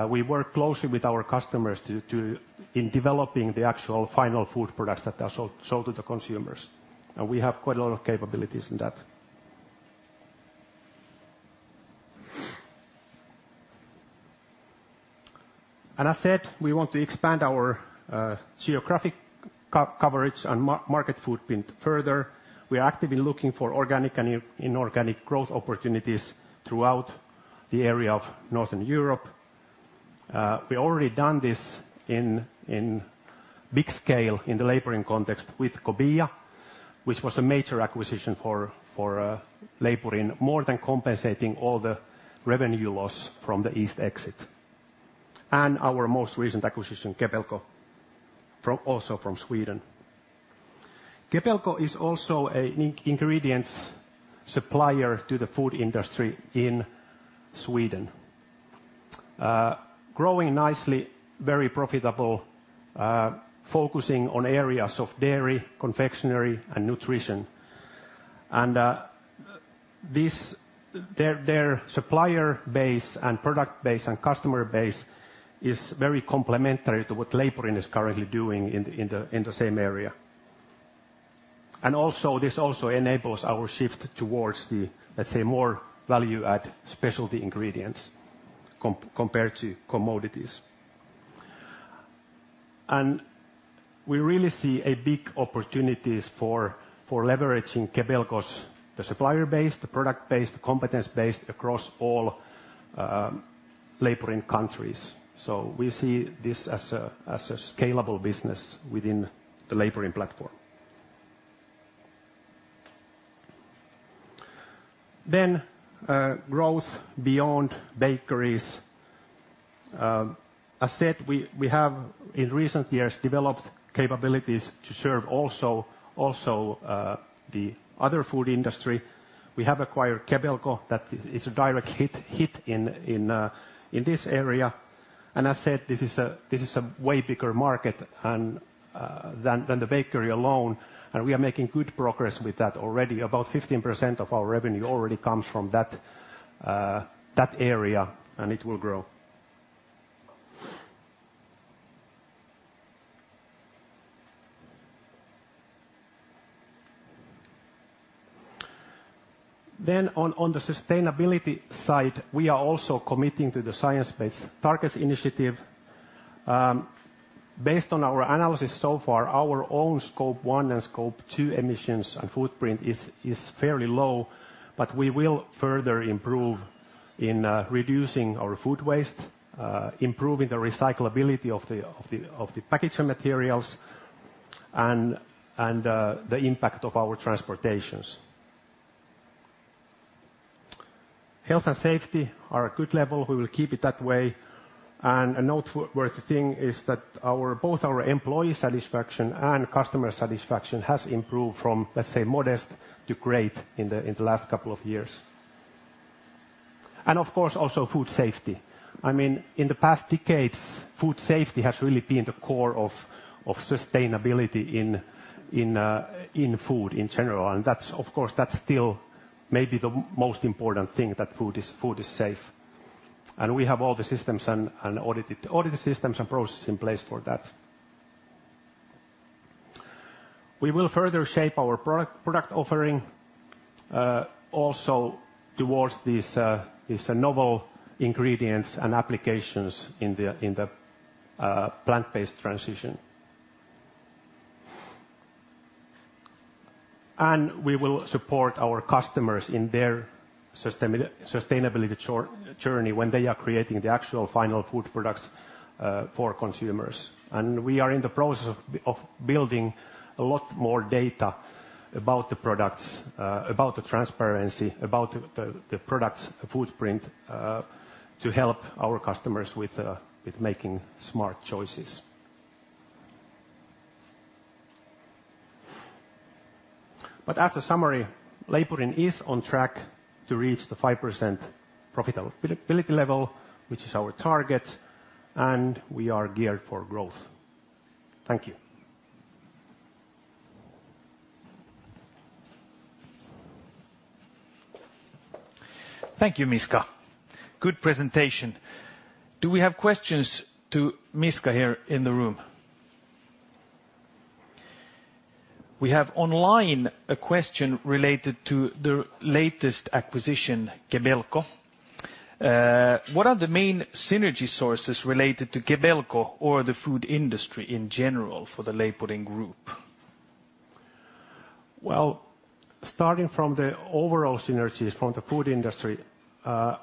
We work closely with our customers to develop the actual final food products that are sold to the consumers, and we have quite a lot of capabilities in that. And I said, we want to expand our geographic coverage and market footprint further. We are actively looking for organic and inorganic growth opportunities throughout the area of Northern Europe. We already done this in big scale, in the Leipurin context, with Kobia, which was a major acquisition for Leipurin, more than compensating all the revenue loss from the East exit. And our most recent acquisition, Kebelco, also from Sweden. Kebelco is also an ingredients supplier to the food industry in Sweden. Growing nicely, very profitable, focusing on areas of dairy, confectionery, and nutrition. And this, their supplier base and product base and customer base is very complementary to what Leipurin is currently doing in the same area. And also, this also enables our shift towards the, let's say, more value-added specialty ingredients compared to commodities. And we really see big opportunities for leveraging Kebelco's supplier base, the product base, the competence base, across all Leipurin countries. So we see this as a scalable business within the Leipurin platform. Then growth beyond bakeries. I said we have, in recent years, developed capabilities to serve also the other food industry. We have acquired Kebelco, that is a direct hit in this area. I said, this is a way bigger market and than the bakery alone, and we are making good progress with that already. About 15% of our revenue already comes from that area, and it will grow. Then on the sustainability side, we are also committing to the Science Based Targets initiative. Based on our analysis so far, our own Scope 1 and Scope 2 emissions and footprint is fairly low, but we will further improve in reducing our food waste, improving the recyclability of the packaging materials, and the impact of our transportations. Health and safety are a good level. We will keep it that way. A noteworthy thing is that both our employee satisfaction and customer satisfaction has improved from, let's say, modest to great in the last couple of years. And of course, also food safety. I mean, in the past decades, food safety has really been the core of sustainability in food in general, and that's—of course, that's still maybe the most important thing, that food is safe. And we have all the systems and audited systems and processes in place for that. We will further shape our product offering also towards these novel ingredients and applications in the plant-based transition. And we will support our customers in their sustainability journey when they are creating the actual final food products for consumers. We are in the process of building a lot more data about the products, about the transparency, about the product's footprint, to help our customers with making smart choices. But as a summary, Leipurin is on track to reach the 5% profitability level, which is our target, and we are geared for growth. Thank you. Thank you, Miska. Good presentation. Do we have questions to Miska here in the room? We have online a question related to the latest acquisition, Kebelco. What are the main synergy sources related to Kebelco or the food industry in general for the Leipurin Group? Well, starting from the overall synergies from the food industry, I think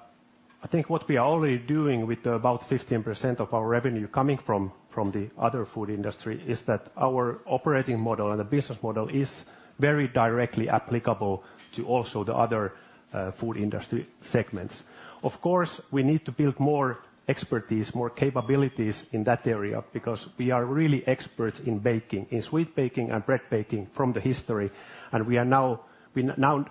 what we are already doing with about 15% of our revenue coming from the other food industry is that our operating model and the business model is very directly applicable to also the other food industry segments. Of course, we need to build more expertise, more capabilities in that area, because we are really experts in baking, in sweet baking and bread baking from the history, and we now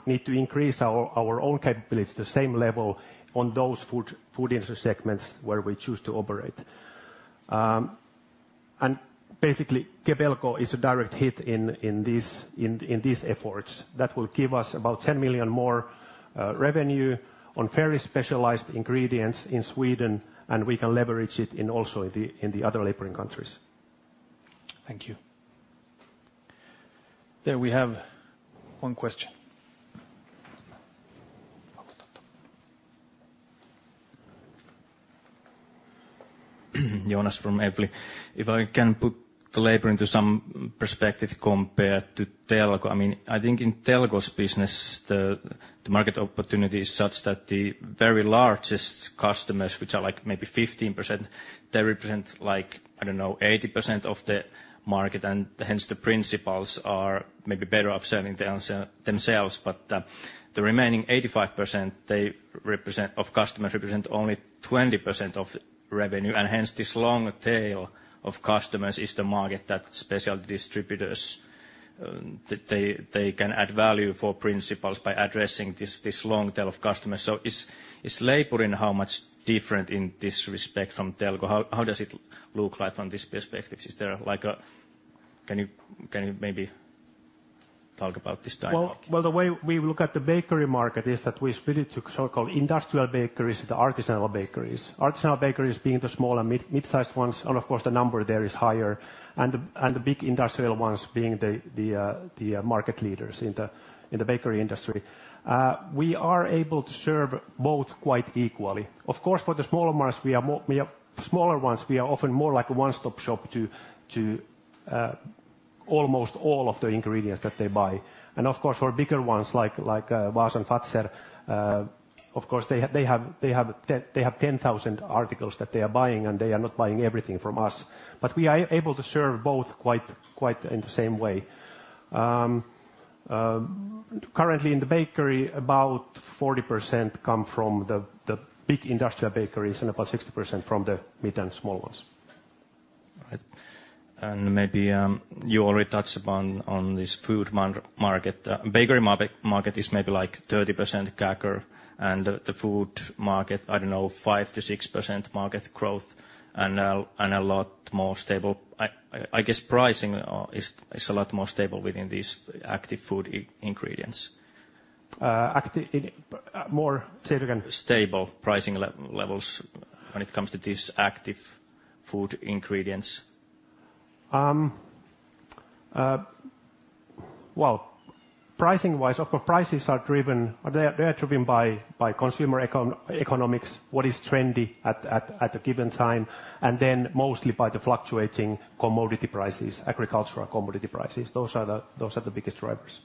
need to increase our own capabilities to the same level on those food industry segments where we choose to operate. And basically, Kebelco is a direct hit in these efforts. That will give us about 10 million more revenue on very specialized ingredients in Sweden, and we can leverage it also in the other Leipurin countries. Thank you. There we have one question. Jonas from Evli. If I can put the Leipurin to some perspective compared to Telko, I mean, I think in Telko's business, the market opportunity is such that the very largest customers, which are like maybe 15%, they represent like, I don't know, 80% of the market, and hence the principals are maybe better off serving themselves. But the remaining 85%, they represent, of customers, represent only 20% of revenue. And hence, this long tail of customers is the market that special distributors, they can add value for principals by addressing this long tail of customers. So is Leipurin, how much different in this respect from Telko? How does it look like from this perspective? Is there like a... Can you maybe talk about this dynamic? Well, the way we look at the bakery market is that we split it to so-called industrial bakeries and the artisanal bakeries. Artisanal bakeries being the small and mid-sized ones, and of course, the number there is higher, and the big industrial ones being the market leaders in the bakery industry. We are able to serve both quite equally. Of course, for the smaller ones, we are often more like a one-stop shop to almost all of the ingredients that they buy. And of course, for bigger ones, like Vaasan Fazer, of course, they have 10,000 articles that they are buying, and they are not buying everything from us. But we are able to serve both quite, quite in the same way. Currently in the bakery, about 40% come from the big industrial bakeries and about 60% from the mid and small ones. Right. And maybe you already touched upon this food market. Bakery market is maybe like 30% CAGR, and the food market, I don't know, 5%-6% market growth and a lot more stable. I guess pricing is a lot more stable within these active food ingredients. Active... More, say it again? Stable pricing levels when it comes to these active food ingredients. Well, pricing wise, our prices are driven, they are driven by consumer economics, what is trendy at a given time, and then mostly by the fluctuating commodity prices, agricultural commodity prices. Those are the biggest drivers.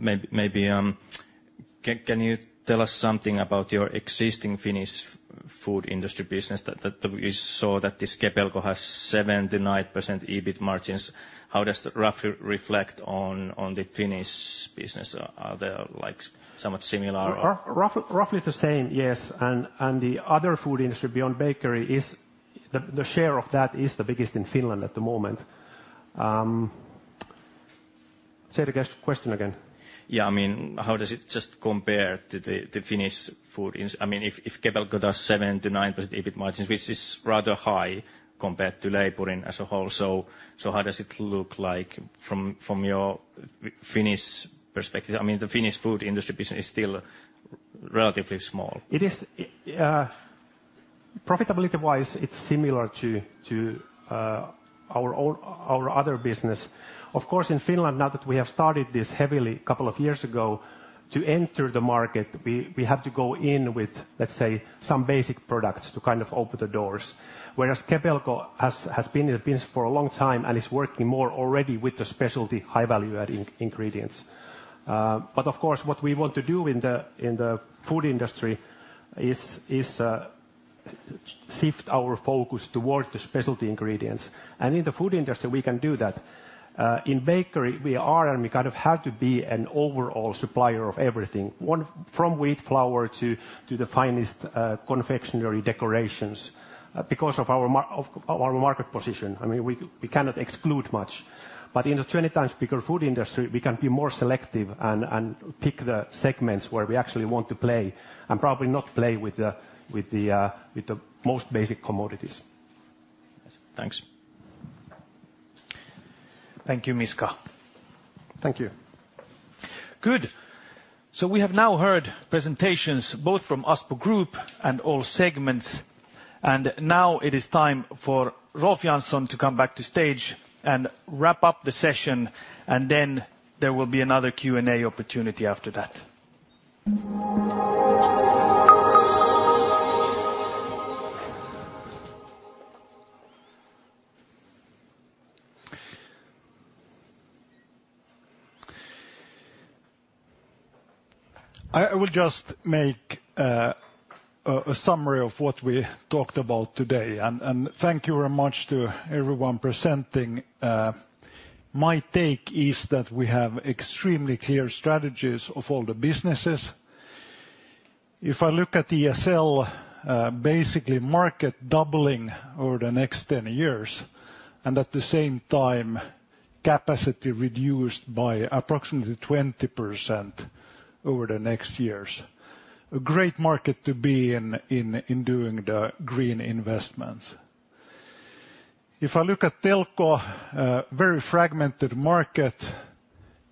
Maybe can you tell us something about your existing Finnish food industry business that we saw that this Kebelco has 7%-9% EBIT margins? How does that roughly reflect on the Finnish business? Are there, like, somewhat similar or- Roughly the same, yes. And the other food industry beyond bakery is, the share of that is the biggest in Finland at the moment. Say the question again. Yeah, I mean, how does it compare to the Finnish food industry? I mean, if Kebelco does 7%-9% EBIT margins, which is rather high compared to Leipurin as a whole, so how does it look like from your Finnish perspective? I mean, the Finnish food industry business is still relatively small. It is, profitability-wise, it's similar to our own, our other business. Of course, in Finland, now that we have started this heavily couple of years ago, to enter the market, we have to go in with, let's say, some basic products to kind of open the doors. Whereas Kebelco has been in the business for a long time and is working more already with the specialty, high value adding ingredients. But of course, what we want to do in the food industry is shift our focus towards the specialty ingredients. And in the food industry, we can do that. In bakery, we are, and we kind of have to be, an overall supplier of everything. One, from wheat flour to the finest confectionary decorations, because of our market position. I mean, we cannot exclude much. But in the 20 times bigger food industry, we can be more selective and pick the segments where we actually want to play, and probably not play with the most basic commodities. Thanks. Thank you, Miska. Thank you. Good. So we have now heard presentations, both from Aspo Group and all segments, and now it is time for Rolf Jansson to come back to stage and wrap up the session, and then there will be another Q&A opportunity after that. I will just make a summary of what we talked about today, and thank you very much to everyone presenting. My take is that we have extremely clear strategies of all the businesses. If I look at ESL, basically market doubling over the next 10 years, and at the same time, capacity reduced by approximately 20% over the next years. A great market to be in doing the green investments. If I look at Telko, a very fragmented market,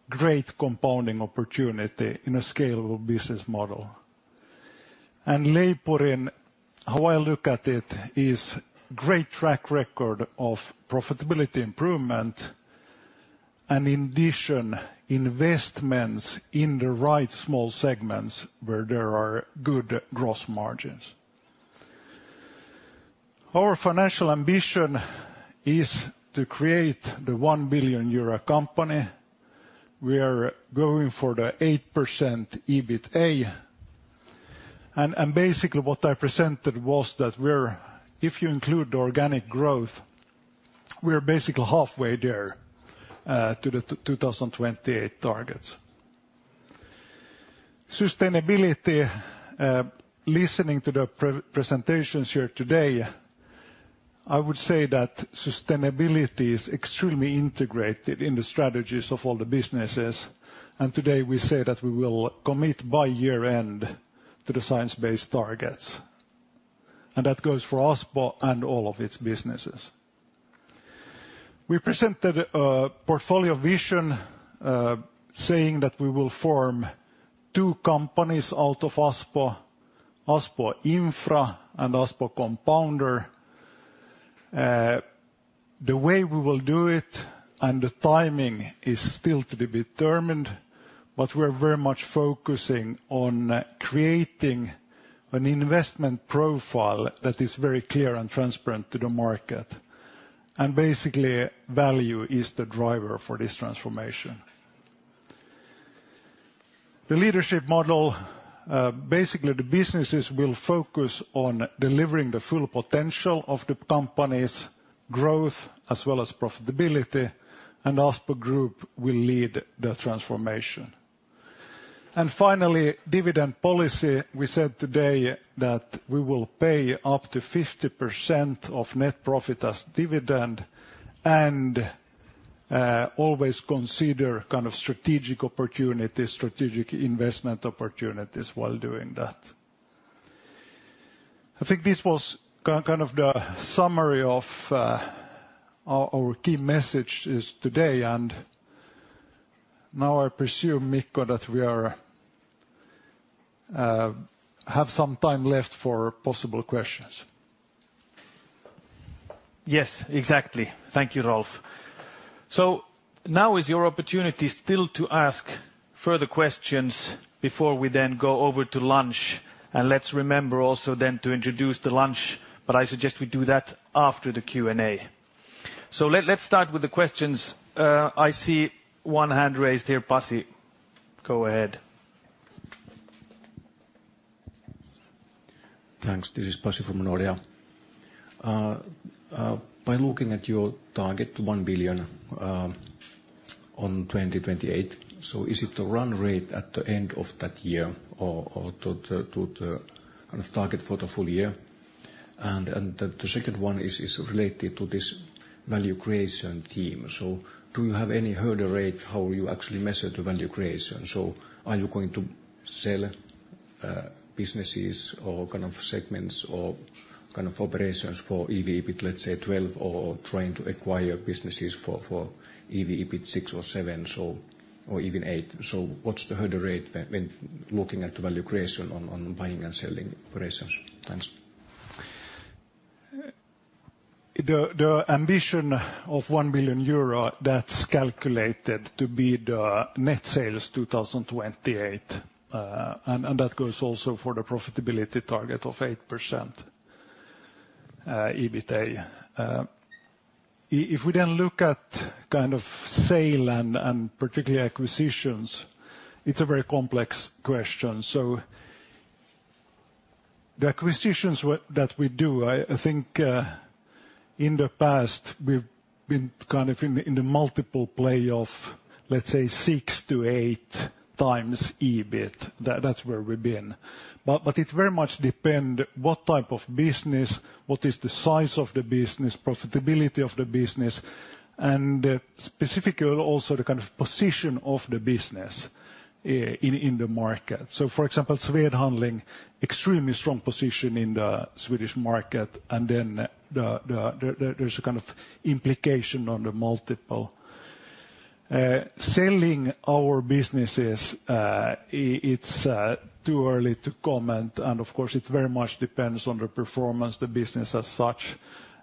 great compounding opportunity in a scalable business model. And Leipurin, how I look at it, is great track record of profitability improvement, and in addition, investments in the right small segments where there are good gross margins. Our financial ambition is to create the 1 billion euro company. We are going for the 8% EBITDA, and basically what I presented was that we're, if you include the organic growth, we're basically halfway there to the 2028 targets. Sustainability, listening to the presentations here today, I would say that sustainability is extremely integrated in the strategies of all the businesses, and today we say that we will commit by year-end to the science-based targets. And that goes for Aspo and all of its businesses. We presented a portfolio vision, saying that we will form two companies out of Aspo: Aspo Infra and Aspo Compounder. The way we will do it and the timing is still to be determined, but we're very much focusing on creating an investment profile that is very clear and transparent to the market. And basically, value is the driver for this transformation. The leadership model, basically, the businesses will focus on delivering the full potential of the company's growth as well as profitability, and Aspo Group will lead the transformation. Finally, dividend policy. We said today that we will pay up to 50% of net profit as dividend and always consider kind of strategic opportunity, strategic investment opportunities while doing that. I think this was kind of the summary of our key messages today, and now I presume, Mikko, that we have some time left for possible questions. Yes, exactly. Thank you, Rolf. So now is your opportunity still to ask further questions before we then go over to lunch, and let's remember also then to introduce the lunch, but I suggest we do that after the Q&A. So let's start with the questions. I see one hand raised here. Pasi, go ahead. Thanks. This is Pasi from Nordea. By looking at your target, 1 billion on 2028, so is it the run rate at the end of that year or to the kind of target for the full year? And the second one is related to this value creation team. So do you have any hurdle rate how you actually measure the value creation? So are you going to sell businesses or kind of segments or kind of operations for EV, EBIT, let's say 12, or trying to acquire businesses for EV, EBIT 6 or 7s, or even 8? So what's the hurdle rate when looking at the value creation on buying and selling operations? Thanks. The ambition of 1 billion euro, that's calculated to be the net sales 2028, and that goes also for the profitability target of 8%, EBITDA. If we then look at kind of sale and particularly acquisitions, it's a very complex question. So the acquisitions that we do, I think, in the past, we've been kind of in the multiple play of, let's say, 6x-8x EBIT. That's where we've been. But it very much depend what type of business, what is the size of the business, profitability of the business, and specifically also the kind of position of the business, in the market. So for example, Swed Handling, extremely strong position in the Swedish market, and then there's a kind of implication on the multiple. Selling our businesses, it's too early to comment, and of course, it very much depends on the performance, the business as such.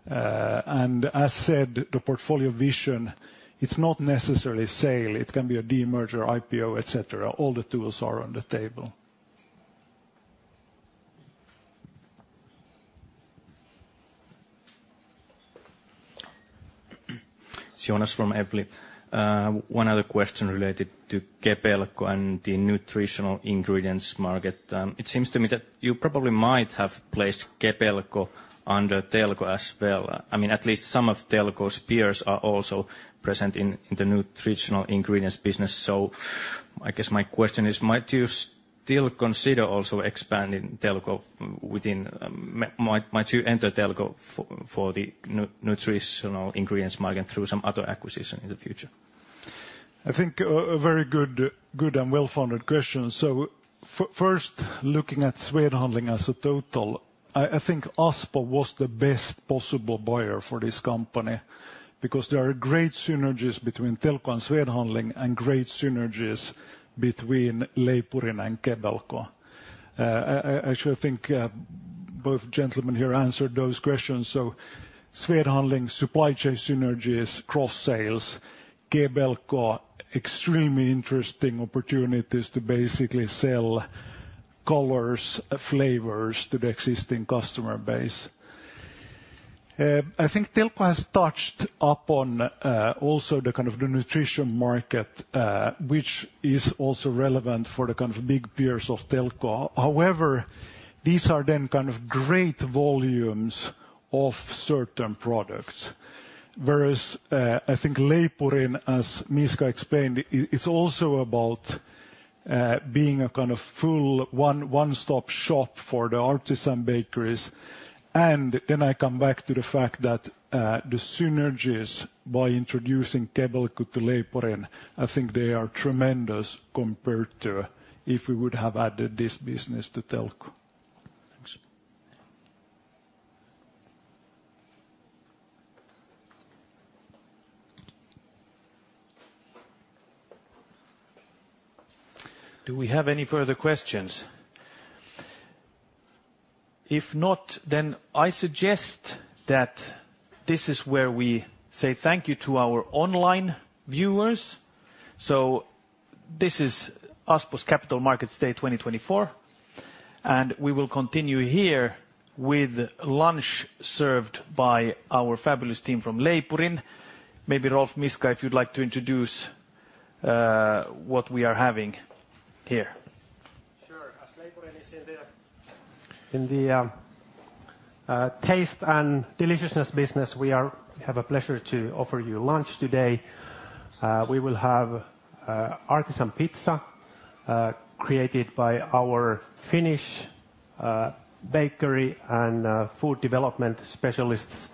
And as said, the portfolio vision, it's not necessarily sale. It can be a de-merger, IPO, et cetera. All the tools are on the table. Jonas from Evli. One other question related to Kebelco and the nutritional ingredients market. It seems to me that you probably might have placed Kebelco under Telko as well. I mean, at least some of Telko's peers are also present in the nutritional ingredients business. So I guess my question is, might you still consider also expanding Telko within... Might you enter Telko for the nutritional ingredients market through some other acquisition in the future? I think a very good and well-founded question. So first, looking at Swed Handling as a total, I think Aspo was the best possible buyer for this company because there are great synergies between Telko and Swed Handling and great synergies between Leipurin and Kebelco. Actually think, both gentlemen here answered those questions, so Swed Handling, supply chain synergies, cross sales, Kebelco, extremely interesting opportunities to basically sell colors, flavors to the existing customer base. I think Telko has touched upon also the kind of the nutrition market, which is also relevant for the kind of big peers of Telko. However, these are then kind of great volumes of certain products, whereas, I think Leipurin, as Miska explained, it's also about being a kind of full one-stop shop for the artisan bakeries. And then I come back to the fact that, the synergies by introducing Kebelco to Leipurin, I think they are tremendous compared to if we would have added this business to Telko. Thanks. Do we have any further questions? If not, then I suggest that this is where we say thank you to our online viewers. So this is Aspo's Capital Markets Day 2024, and we will continue here with lunch served by our fabulous team from Leipurin. Maybe Rolf, Miska, if you'd like to introduce what we are having here. Sure. As Leipurin is in the taste and deliciousness business, we have a pleasure to offer you lunch today. We will have artisan pizza created by our Finnish bakery and food development specialists,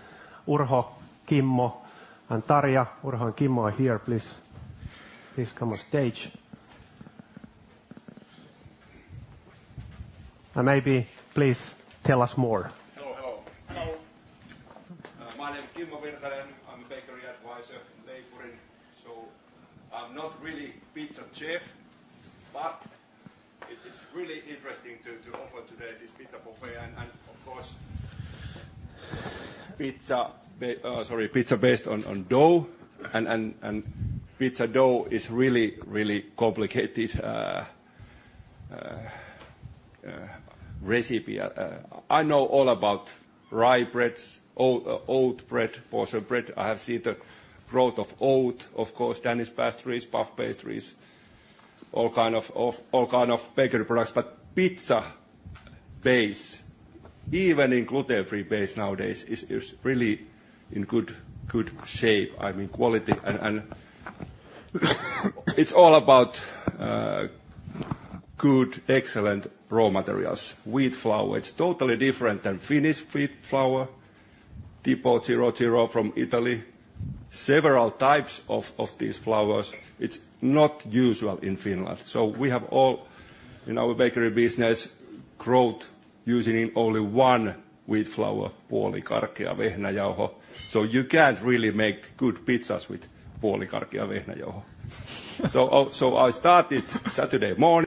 Uro, Kimmo, and Taria. Uro and Kimmo are here. Please, please come on stage. Maybe please tell us more. Hello, hello. Hello. My name is Kimmo Virtanen. I'm a bakery advisor in Leipurin, so I'm not really pizza chef, but it is really interesting to offer today this pizza buffet, and of course, pizza based on dough, and pizza dough is really complicated recipe. I know all about rye breads, oat bread, also bread. I have seen the growth of oat, of course, Danish pastries, puff pastries, all kind of bakery products. But pizza base, even in gluten-free base nowadays, is really in good shape, I mean, quality. And it's all about good, excellent raw materials. Wheat flour, it's totally different than Finnish wheat flour. Tipo 00 from Italy. Several types of these flours, it's not usual in Finland. So we have all, in our bakery business, growth using only one wheat flour. So you can't really make good pizzas with so, so I started Saturday morning-